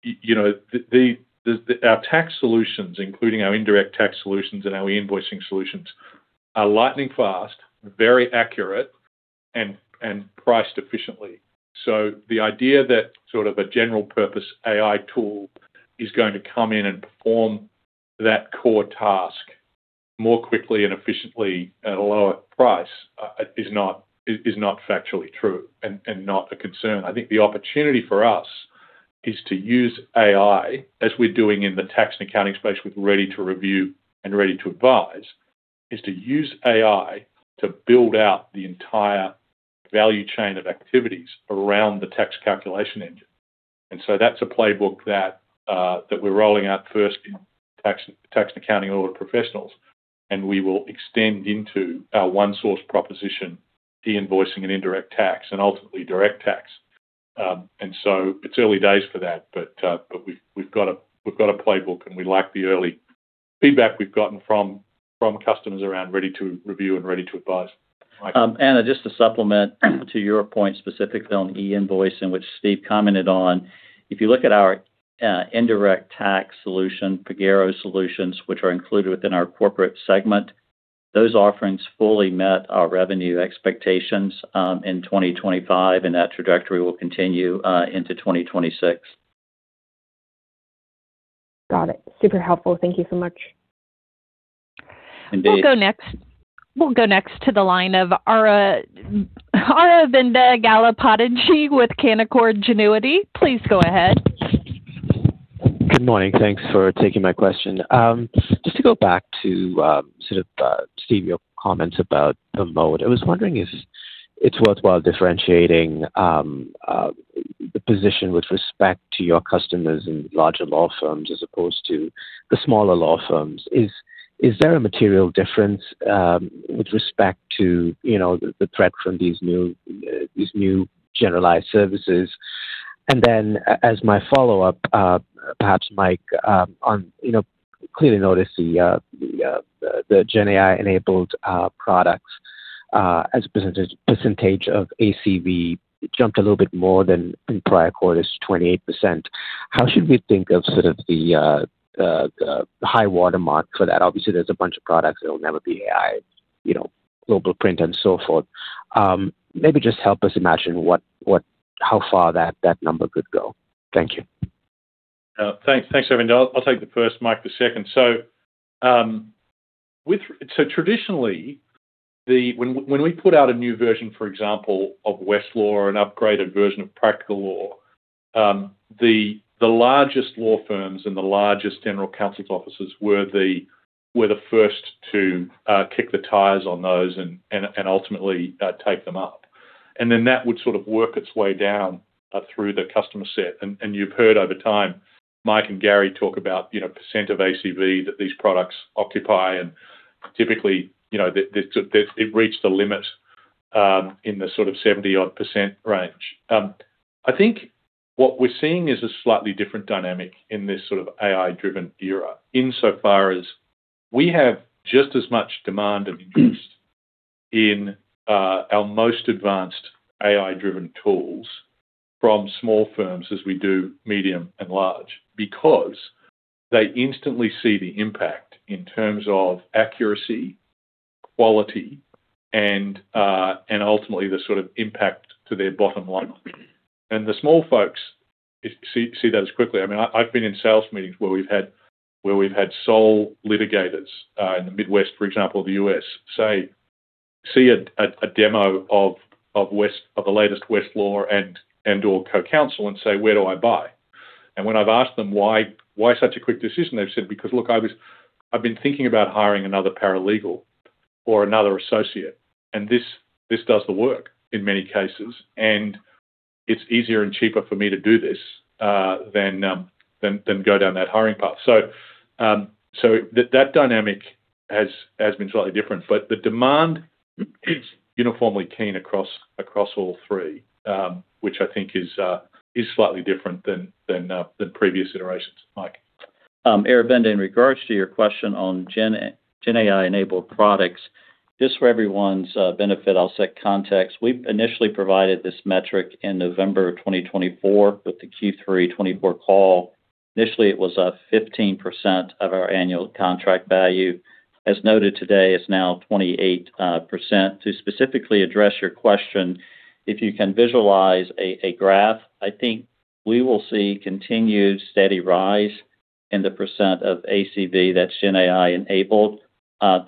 you know, our tax solutions, including our indirect tax solutions and our e-invoicing solutions, are lightning-fast, very accurate, and priced efficiently. So the idea that sort of a general purpose AI tool is going to come in and perform that core task more quickly and efficiently at a lower price is not factually true and not a concern. I think the opportunity for us is to use AI, as we're doing in the tax and accounting space with Ready to Review and Ready to Advise, is to use AI to build out the entire value chain of activities around the tax calculation engine. So that's a playbook that we're rolling out first in tax and accounting audit professionals, and we will extend into our ONESOURCE proposition, e-invoicing and indirect tax, and ultimately direct tax. And so it's early days for that, but we've got a playbook, and we like the early feedback we've gotten from customers around Ready to Review and Ready to Advise. Mike? Anna, just to supplement to your point, specifically on e-invoice, and which Steve commented on. If you look at our indirect tax solution, Pagero Solutions, which are included within our corporate segment, those offerings fully met our revenue expectations in 2025, and that trajectory will continue into 2026. Got it. Super helpful. Thank you so much. And- We'll go next... We'll go next to the line of Ara, Aravinda Galappatthige with Canaccord Genuity. Please go ahead. Good morning. Thanks for taking my question. Just to go back to, sort of, Steve, your comments about the moat. I was wondering if it's worthwhile differentiating the position with respect to your customers in larger law firms, as opposed to the smaller law firms. Is there a material difference with respect to, you know, the threat from these new generalized services? And then as my follow-up, perhaps, Mike, on, you know, clearly noticed the GenAI-enabled products as a percentage of ACV jumped a little bit more than in prior quarters, 28%. How should we think of sort of the high watermark for that? Obviously, there's a bunch of products that will never be AI, you know, Global Print and so forth. Maybe just help us imagine what... How far that number could go. Thank you. Thanks. Thanks, Aravinda. I'll take the first, Mike, the second. So traditionally, the... When we put out a new version, for example, of Westlaw or an upgraded version of Practical Law, the largest law firms and the largest general counsel's offices were the first to kick the tires on those and ultimately take them up. And then that would sort of work its way down through the customer set. And you've heard over time, Mike and Gary talk about, you know, percent of ACV that these products occupy, and typically, you know, the it reached a limit in the sort of 70%-odd range. I think what we're seeing is a slightly different dynamic in this sort of AI-driven era, insofar as we have just as much demand and interest in our most advanced AI-driven tools from small firms as we do medium and large, because they instantly see the impact in terms of accuracy, quality, and and ultimately the sort of impact to their bottom line. And the small folks see, see that as quickly. I mean, I've been in sales meetings where we've had sole litigators in the Midwest, for example, the U.S., say, see a demo of the latest Westlaw and/or CoCounsel and say, "Where do I buy?" And when I've asked them why, "Why such a quick decision?" They've said, "Because, look, I was, I've been thinking about hiring another paralegal or another associate, and this does the work in many cases, and it's easier and cheaper for me to do this than go down that hiring path." So that dynamic has been slightly different. But the demand is uniformly keen across all three, which I think is slightly different than previous iterations. Mike. Aravinda, in regards to your question on GenAI-enabled products, just for everyone's benefit, I'll set context. We've initially provided this metric in November of 2024, with the Q3 2024 call. Initially, it was fifteen percent of our annual contract value. As noted today, it's now 28 percent. To specifically address your question, if you can visualize a graph, I think we will see continued steady rise in the percent of ACV that's GenAI-enabled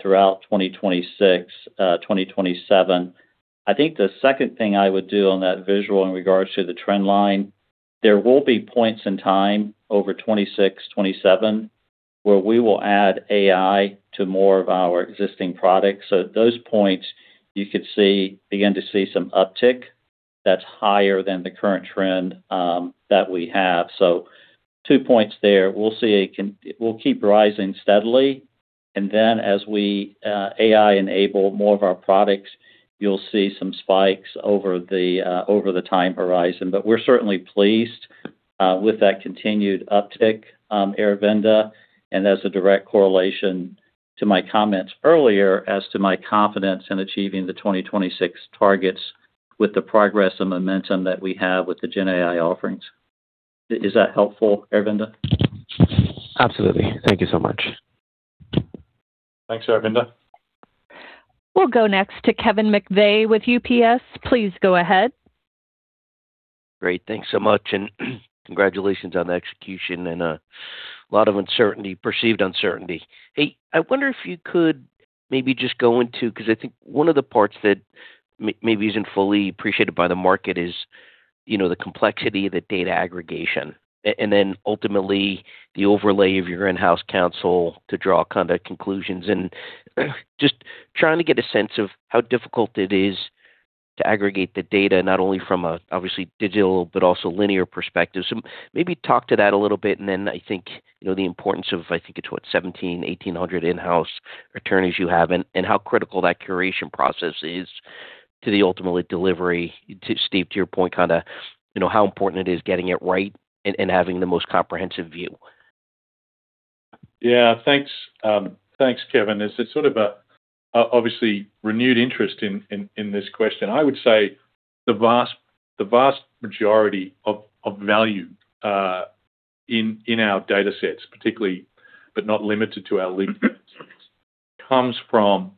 throughout 2026, 2027. I think the second thing I would do on that visual in regards to the trend line, there will be points in time over 2026, 2027, where we will add AI to more of our existing products. So at those points, you could begin to see some uptick that's higher than the current trend that we have. So two points there. We'll see. It will keep rising steadily, and then as we AI-enable more of our products, you'll see some spikes over the time horizon. But we're certainly pleased with that continued uptick, Aravinda, and as a direct correlation to my comments earlier as to my confidence in achieving the 2026 targets with the progress and momentum that we have with the GenAI offerings. Is that helpful, Aravinda? Absolutely. Thank you so much. Thanks, Aravinda. We'll go next to Kevin McVeigh with UBS. Please go ahead. Great. Thanks so much, and congratulations on the execution and a lot of uncertainty, perceived uncertainty. Hey, I wonder if you could maybe just go into... Because I think one of the parts that maybe isn't fully appreciated by the market is, you know, the complexity of the data aggregation, and then ultimately the overlay of your in-house counsel to draw kind of conclusions. And just trying to get a sense of how difficult it is to aggregate the data, not only from an obviously digital, but also linear perspective. So maybe talk to that a little bit, and then I think, you know, the importance of, I think, it's 1,700-1,800 in-house attorneys you have, and how critical that curation process is to the ultimately delivery. To Steve, to your point, kinda, you know, how important it is getting it right and having the most comprehensive view. Yeah, thanks. Thanks, Kevin. It's a sort of a obviously renewed interest in this question. I would say the vast majority of value in our data sets, particularly, but not limited to our link, comes from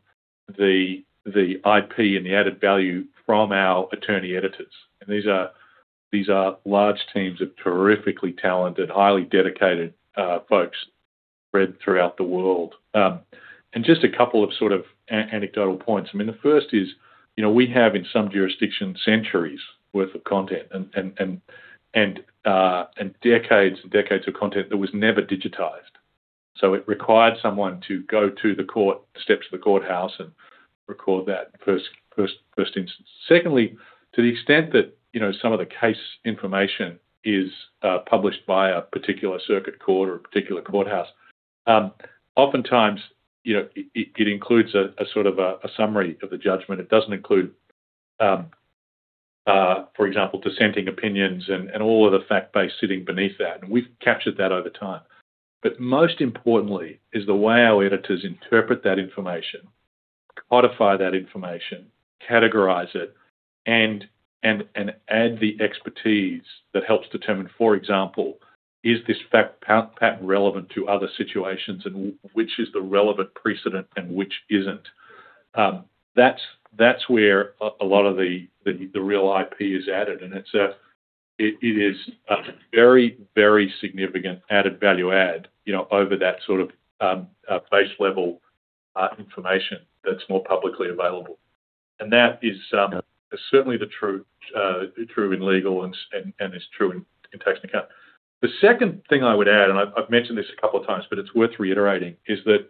the IP and the added value from our attorney editors. And these are large teams of terrifically talented, highly dedicated folks spread throughout the world. And just a couple of sort of anecdotal points. I mean, the first is, you know, we have, in some jurisdictions, centuries worth of content and decades and decades of content that was never digitized, so it required someone to go to the court, the steps of the courthouse and record that first instance. Secondly, to the extent that, you know, some of the case information is published by a particular circuit court or a particular courthouse, oftentimes, you know, it includes a sort of a summary of the judgment. It doesn't include, for example, dissenting opinions and all of the fact base sitting beneath that, and we've captured that over time. But most importantly is the way our editors interpret that information, codify that information, categorize it, and add the expertise that helps determine, for example, is this fact pattern relevant to other situations? And which is the relevant precedent and which isn't? That's where a lot of the real IP is added, and it's a... It is a very, very significant added value add, you know, over that sort of base level information that's more publicly available. That is certainly true in legal and is true in tax and accounting. The second thing I would add, and I've mentioned this a couple of times, but it's worth reiterating, is that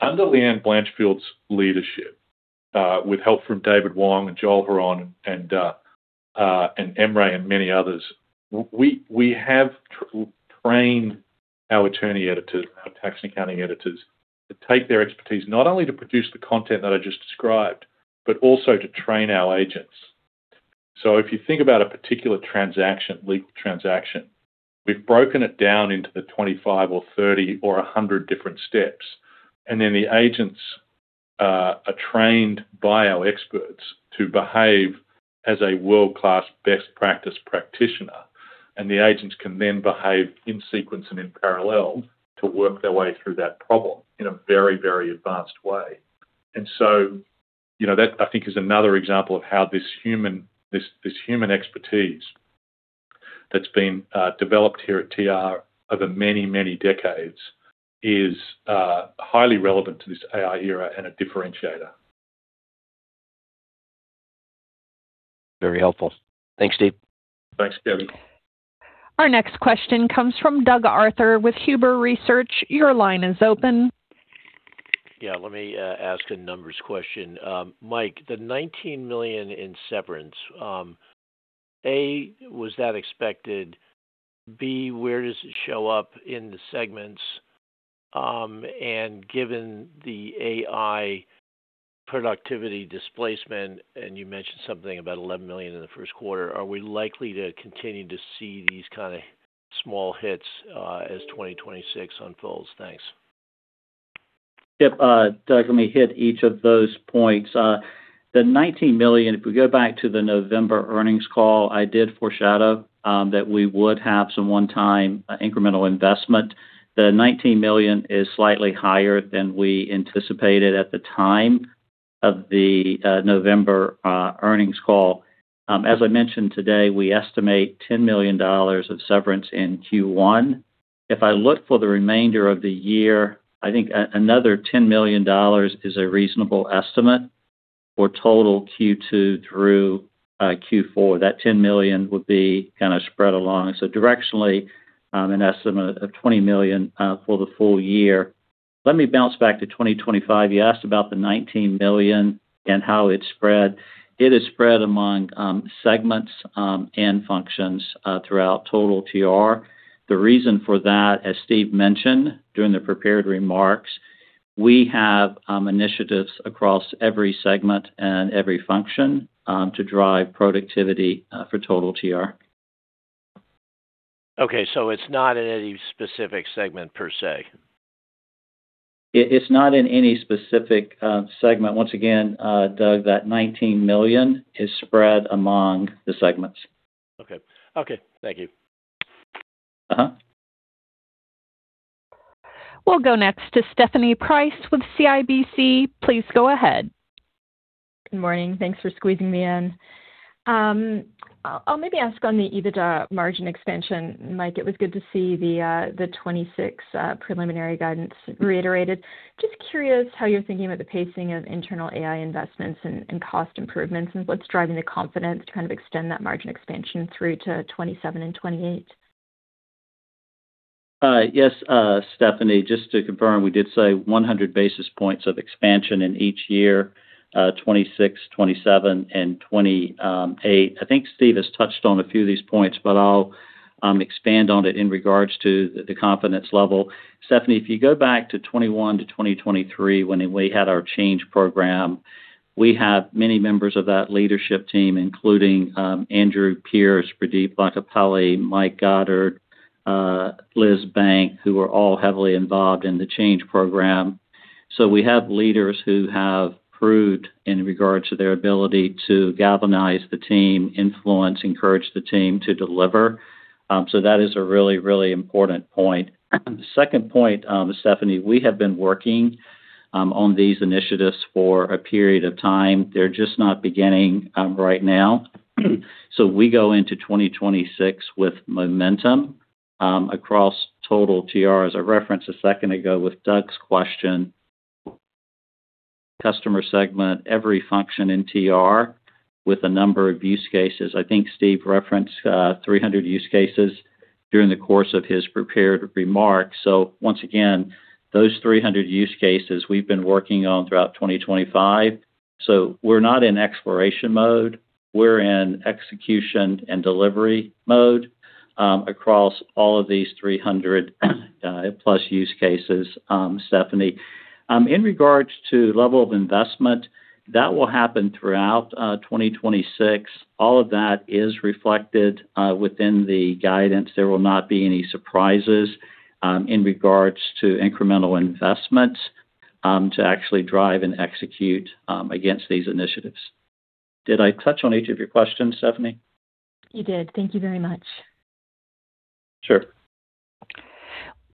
under Leann Blanchfield's leadership, with help from David Wong and Joel Hron and Emre Caglar and many others, we have trained our attorney editors and our tax and accounting editors to take their expertise, not only to produce the content that I just described, but also to train our agents. So if you think about a particular transaction, legal transaction, we've broken it down into the 25 or 30 or 100 different steps, and then the agents are trained by our experts to behave as a world-class best practice practitioner, and the agents can then behave in sequence and in parallel to work their way through that problem in a very, very advanced way. And so, you know, that, I think, is another example of how this human, this, this human expertise that's been developed here at TR over many, many decades is highly relevant to this AI era and a differentiator. Very helpful. Thanks, Steve. Thanks, Kevin. Our next question comes from Doug Arthur with Huber Research. Your line is open. Yeah, let me ask a numbers question. Mike, the $19 million in severance, A, was that expected? B, where does it show up in the segments? And given the AI productivity displacement, and you mentioned something about $11 million in the first quarter, are we likely to continue to see these kind of small hits, as 2026 unfolds? Thanks. Yep. Doug, let me hit each of those points. The $19 million, if we go back to the November earnings call, I did foreshadow that we would have some one-time incremental investment. The $19 million is slightly higher than we anticipated at the time of the November earnings call. As I mentioned today, we estimate $10 million of severance in Q1. If I look for the remainder of the year, I think another $10 million is a reasonable estimate for total Q2 through Q4. That $10 million would be kind of spread along. So directionally, an estimate of $20 million for the full year. Let me bounce back to 2025. You asked about the $19 million and how it spread. It is spread among segments and functions throughout total TR. The reason for that, as Steve mentioned during the prepared remarks, we have initiatives across every segment and every function to drive productivity for total TR. Okay, so it's not in any specific segment per se? It's not in any specific segment. Once again, Doug, that $19 million is spread among the segments. Okay. Okay, thank you. Uh-huh. We'll go next to Stephanie Price with CIBC. Please go ahead. Good morning. Thanks for squeezing me in. I'll maybe ask on the EBITDA margin expansion. Mike, it was good to see the 2026 preliminary guidance reiterated. Just curious how you're thinking about the pacing of internal AI investments and cost improvements, and what's driving the confidence to kind of extend that margin expansion through to 2027 and 2028? Yes, Stephanie, just to confirm, we did say 100 basis points of expansion in each year, 2026, 2027 and 2028. I think Steve has touched on a few of these points, but I'll expand on it in regards to the confidence level. Stephanie, if you go back to 2021 to 2023, when we had our change program, we have many members of that leadership team, including Andrew Pearce, Pradeep Lankapalli, Mike Goddard, Liz Bank, who were all heavily involved in the change program. So we have leaders who have proved in regards to their ability to galvanize the team, influence, encourage the team to deliver. So that is a really, really important point. The second point, Stephanie, we have been working on these initiatives for a period of time. They're just not beginning right now. So we go into 2026 with momentum, across total TR, as I referenced a second ago with Doug's question. Customer segment, every function in TR with a number of use cases. I think Steve referenced 300 use cases during the course of his prepared remarks. So once again, those 300 use cases we've been working on throughout 2025. So we're not in exploration mode, we're in execution and delivery mode, across all of these 300+ use cases, Stephanie. In regards to level of investment, that will happen throughout 2026. All of that is reflected within the guidance. There will not be any surprises in regards to incremental investments to actually drive and execute against these initiatives. Did I touch on each of your questions, Stephanie? You did. Thank you very much. Sure.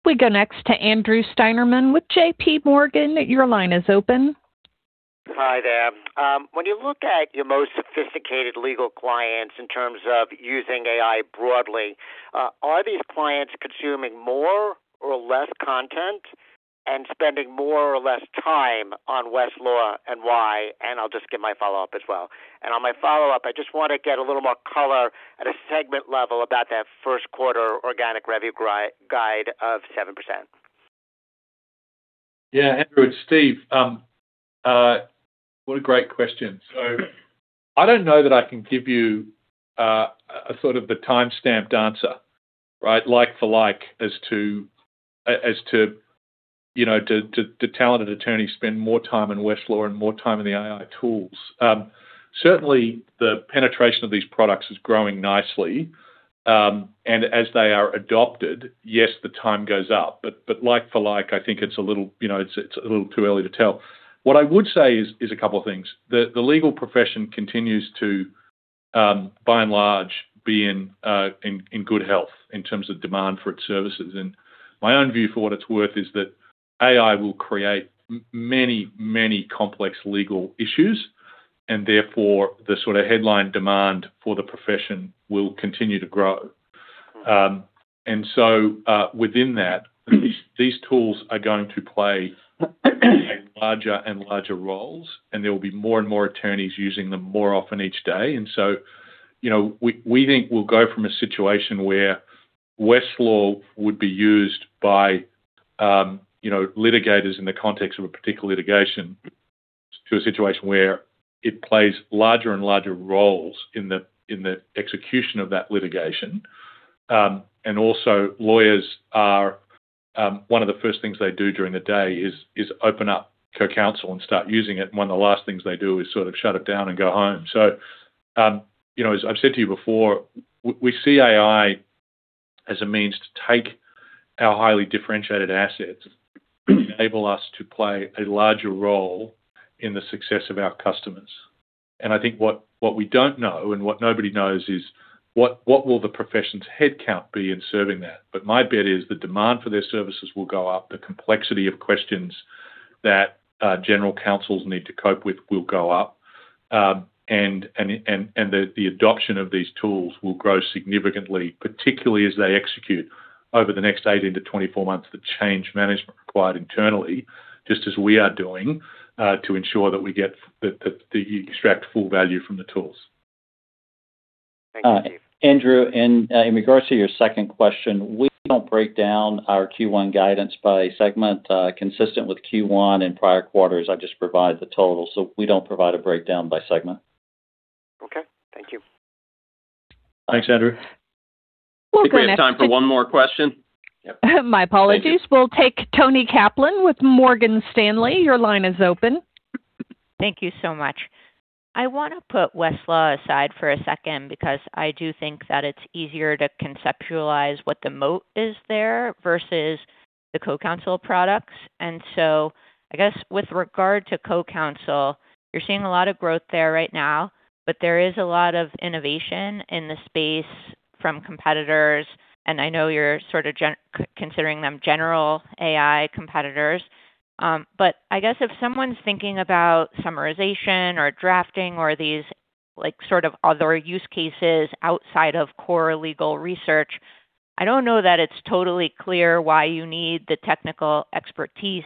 We go next to Andrew Steinerman with JPMorgan. Your line is open. Hi there. When you look at your most sophisticated legal clients in terms of using AI broadly, are these clients consuming more or less content and spending more or less time on Westlaw and why? I'll just get my follow-up as well. On my follow-up, I just want to get a little more color at a segment level about that first quarter organic revenue growth guide of 7%. Yeah, Andrew, it's Steve. What a great question. So I don't know that I can give you a sort of the timestamped answer, right? Like for like, as to, you know, to the talented attorneys spend more time in Westlaw and more time in the AI tools. Certainly, the penetration of these products is growing nicely. And as they are adopted, yes, the time goes up, but like for like, I think it's a little, you know, it's a little too early to tell. What I would say is a couple of things. The legal profession continues to, by and large, be in good health in terms of demand for its services. And my own view, for what it's worth, is that AI will create many, many complex legal issues, and therefore, the sort of headline demand for the profession will continue to grow. And so, within that, these tools are going to play larger and larger roles, and there will be more and more attorneys using them more often each day. And so, you know, we think we'll go from a situation where Westlaw would be used by, you know, litigators in the context of a particular litigation, to a situation where it plays larger and larger roles in the execution of that litigation. And also, lawyers are one of the first things they do during the day is open up CoCounsel and start using it, and one of the last things they do is sort of shut it down and go home. So, you know, as I've said to you before, we see AI as a means to take our highly differentiated assets, enable us to play a larger role in the success of our customers. And I think what we don't know and what nobody knows is what will the profession's headcount be in serving that? But my bet is the demand for their services will go up, the complexity of questions that general counsels need to cope with will go up. The adoption of these tools will grow significantly, particularly as they execute over the next 18-24 months, the change management required internally, just as we are doing, to ensure that we get the extract full value from the tools.... Andrew, in regards to your second question, we don't break down our Q1 guidance by segment. Consistent with Q1 and prior quarters, I just provide the total. So we don't provide a breakdown by segment. Okay, thank you. Thanks, Andrew. We'll go next- I think we have time for one more question. Yep. My apologies. Thank you. We'll take Toni Kaplan with Morgan Stanley. Your line is open. Thank you so much. I wanna put Westlaw aside for a second, because I do think that it's easier to conceptualize what the moat is there versus the CoCounsel products. And so I guess with regard to CoCounsel, you're seeing a lot of growth there right now, but there is a lot of innovation in the space from competitors, and I know you're sort of considering them general AI competitors. But I guess if someone's thinking about summarization or drafting or these, like, sort of other use cases outside of core legal research, I don't know that it's totally clear why you need the technical expertise,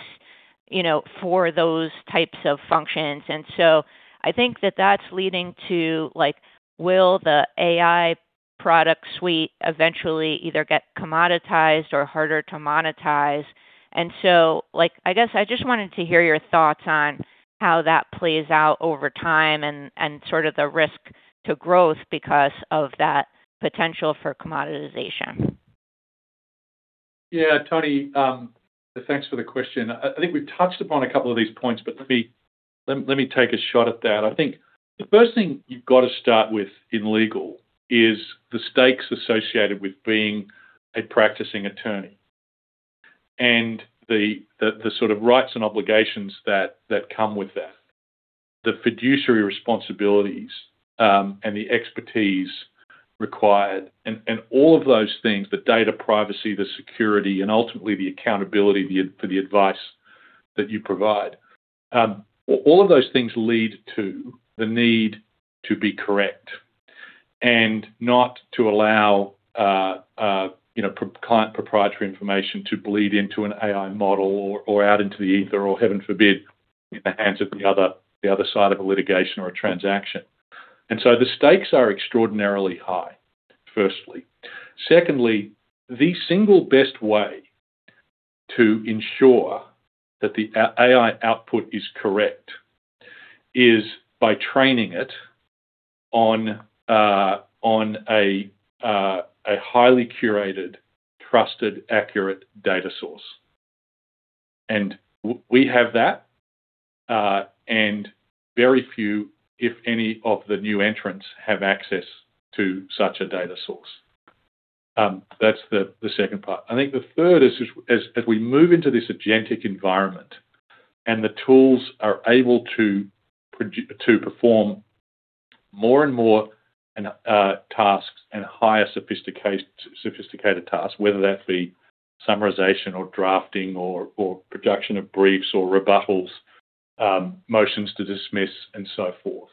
you know, for those types of functions. And so I think that that's leading to, like, will the AI product suite eventually either get commoditized or harder to monetize? And so, like, I guess I just wanted to hear your thoughts on how that plays out over time and sort of the risk to growth because of that potential for commoditization? Yeah, Toni, thanks for the question. I think we've touched upon a couple of these points, but let me take a shot at that. I think the first thing you've got to start with in legal is the stakes associated with being a practicing attorney and the sort of rights and obligations that come with that, the fiduciary responsibilities, and the expertise required and all of those things, the data privacy, the security, and ultimately the accountability for the advice that you provide. All of those things lead to the need to be correct, and not to allow you know, client proprietary information to bleed into an AI model or out into the ether, or, heaven forbid, in the hands of the other side of a litigation or a transaction. So the stakes are extraordinarily high, firstly. Secondly, the single best way to ensure that the AI output is correct is by training it on a highly curated, trusted, accurate data source. We have that, and very few, if any, of the new entrants have access to such a data source. That's the second part. I think the third is as we move into this agentic environment and the tools are able to perform more and more tasks and higher sophisticated tasks, whether that be summarization or drafting or production of briefs or rebuttals, motions to dismiss, and so forth.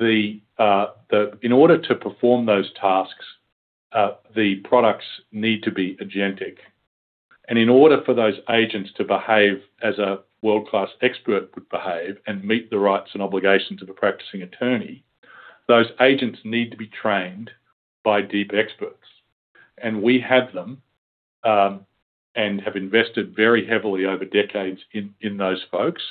In order to perform those tasks, the products need to be agentic, and in order for those agents to behave as a world-class expert would behave and meet the rights and obligations of a practicing attorney, those agents need to be trained by deep experts. And we have them, and have invested very heavily over decades in those folks,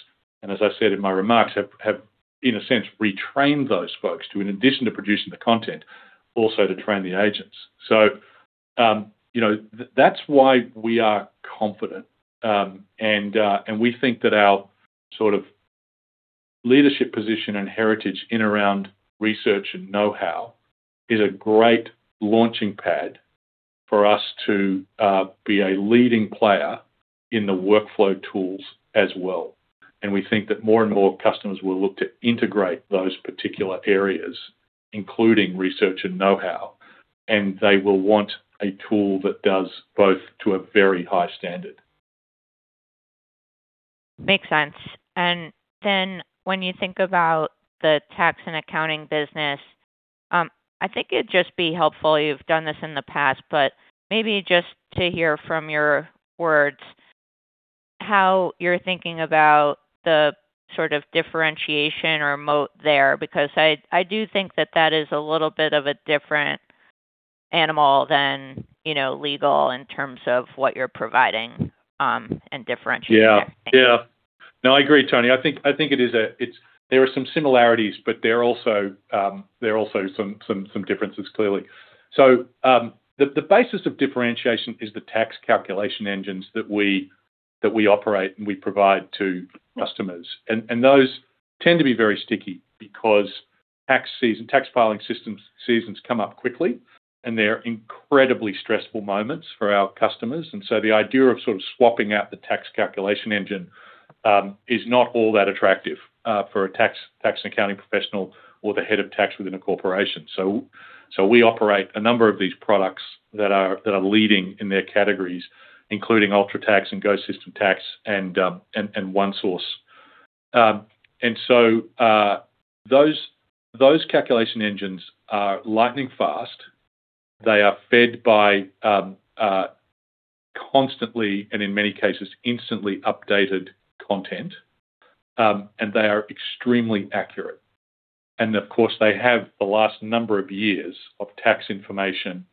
and as I said in my remarks, have in a sense retrained those folks to, in addition to producing the content, also to train the agents. So, you know, that's why we are confident. And we think that our sort of leadership position and heritage in around research and know-how is a great launching pad for us to be a leading player in the workflow tools as well. We think that more and more customers will look to integrate those particular areas, including research and know-how, and they will want a tool that does both to a very high standard. Makes sense. And then when you think about the tax and accounting business, I think it'd just be helpful. You've done this in the past, but maybe just to hear from your words how you're thinking about the sort of differentiation or moat there. Because I, I do think that that is a little bit of a different animal than, you know, legal in terms of what you're providing, and differentiating there. Yeah. Yeah. No, I agree, Toni. I think it is a—it's. There are some similarities, but there are also some differences, clearly. So, the basis of differentiation is the tax calculation engines that we operate and we provide to customers. And those tend to be very sticky because tax season, tax filing systems seasons come up quickly, and they're incredibly stressful moments for our customers. And so the idea of sort of swapping out the tax calculation engine is not all that attractive for a tax and accounting professional or the head of tax within a corporation. So we operate a number of these products that are leading in their categories, including UltraTax and GoSystem Tax and ONESOURCE. And so, those calculation engines are lightning fast. They are fed by constantly, and in many cases, instantly updated content, and they are extremely accurate. And of course, they have the last number of years of tax information,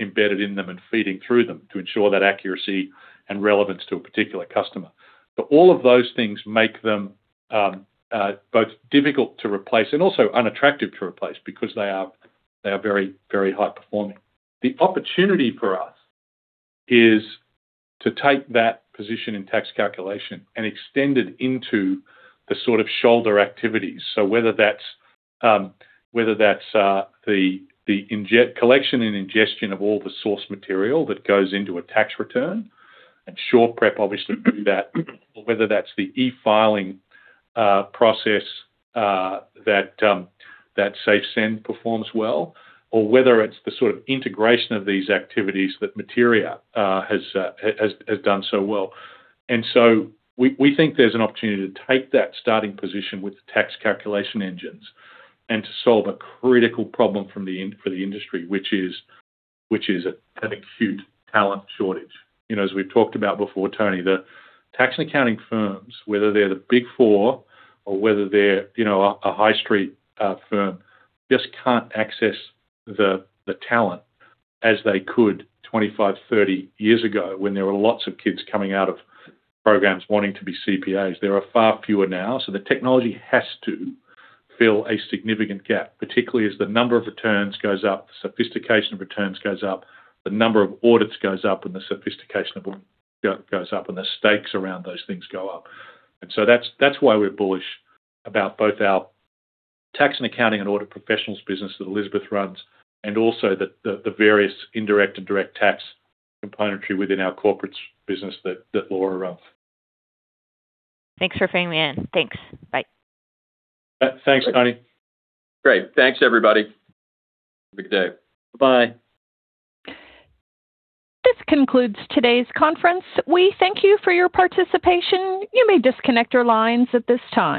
embedded in them and feeding through them to ensure that accuracy and relevance to a particular customer. But all of those things make them both difficult to replace and also unattractive to replace because they are very, very high performing. The opportunity for us is to take that position in tax calculation and extend it into the sort of shoulder activities. So whether that's the collection and ingestion of all the source material that goes into a tax return, and SurePrep obviously do that, or whether that's the e-filing process that SafeSend performs well, or whether it's the sort of integration of these activities that Materia has done so well. And so we think there's an opportunity to take that starting position with the tax calculation engines and to solve a critical problem for the industry, which is an acute talent shortage. You know, as we've talked about before, Toni, the tax and accounting firms, whether they're the Big Four or whether they're, you know, a, a high street firm, just can't access the, the talent as they could 25, 30 years ago, when there were lots of kids coming out of programs wanting to be CPAs. There are far fewer now, so the technology has to fill a significant gap, particularly as the number of returns goes up, the sophistication of returns goes up, the number of audits goes up, and the sophistication of audits goes up, and the stakes around those things go up. And so that's, that's why we're bullish about both our tax and accounting and audit professionals business that Elizabeth runs, and also the, the, the various indirect and direct tax componentry within our Corporates business that, that Laura runs. Thanks for fitting me in. Thanks. Bye. Thanks, Toni. Great. Thanks, everybody. Have a good day. Bye-bye. This concludes today's conference. We thank you for your participation. You may disconnect your lines at this time.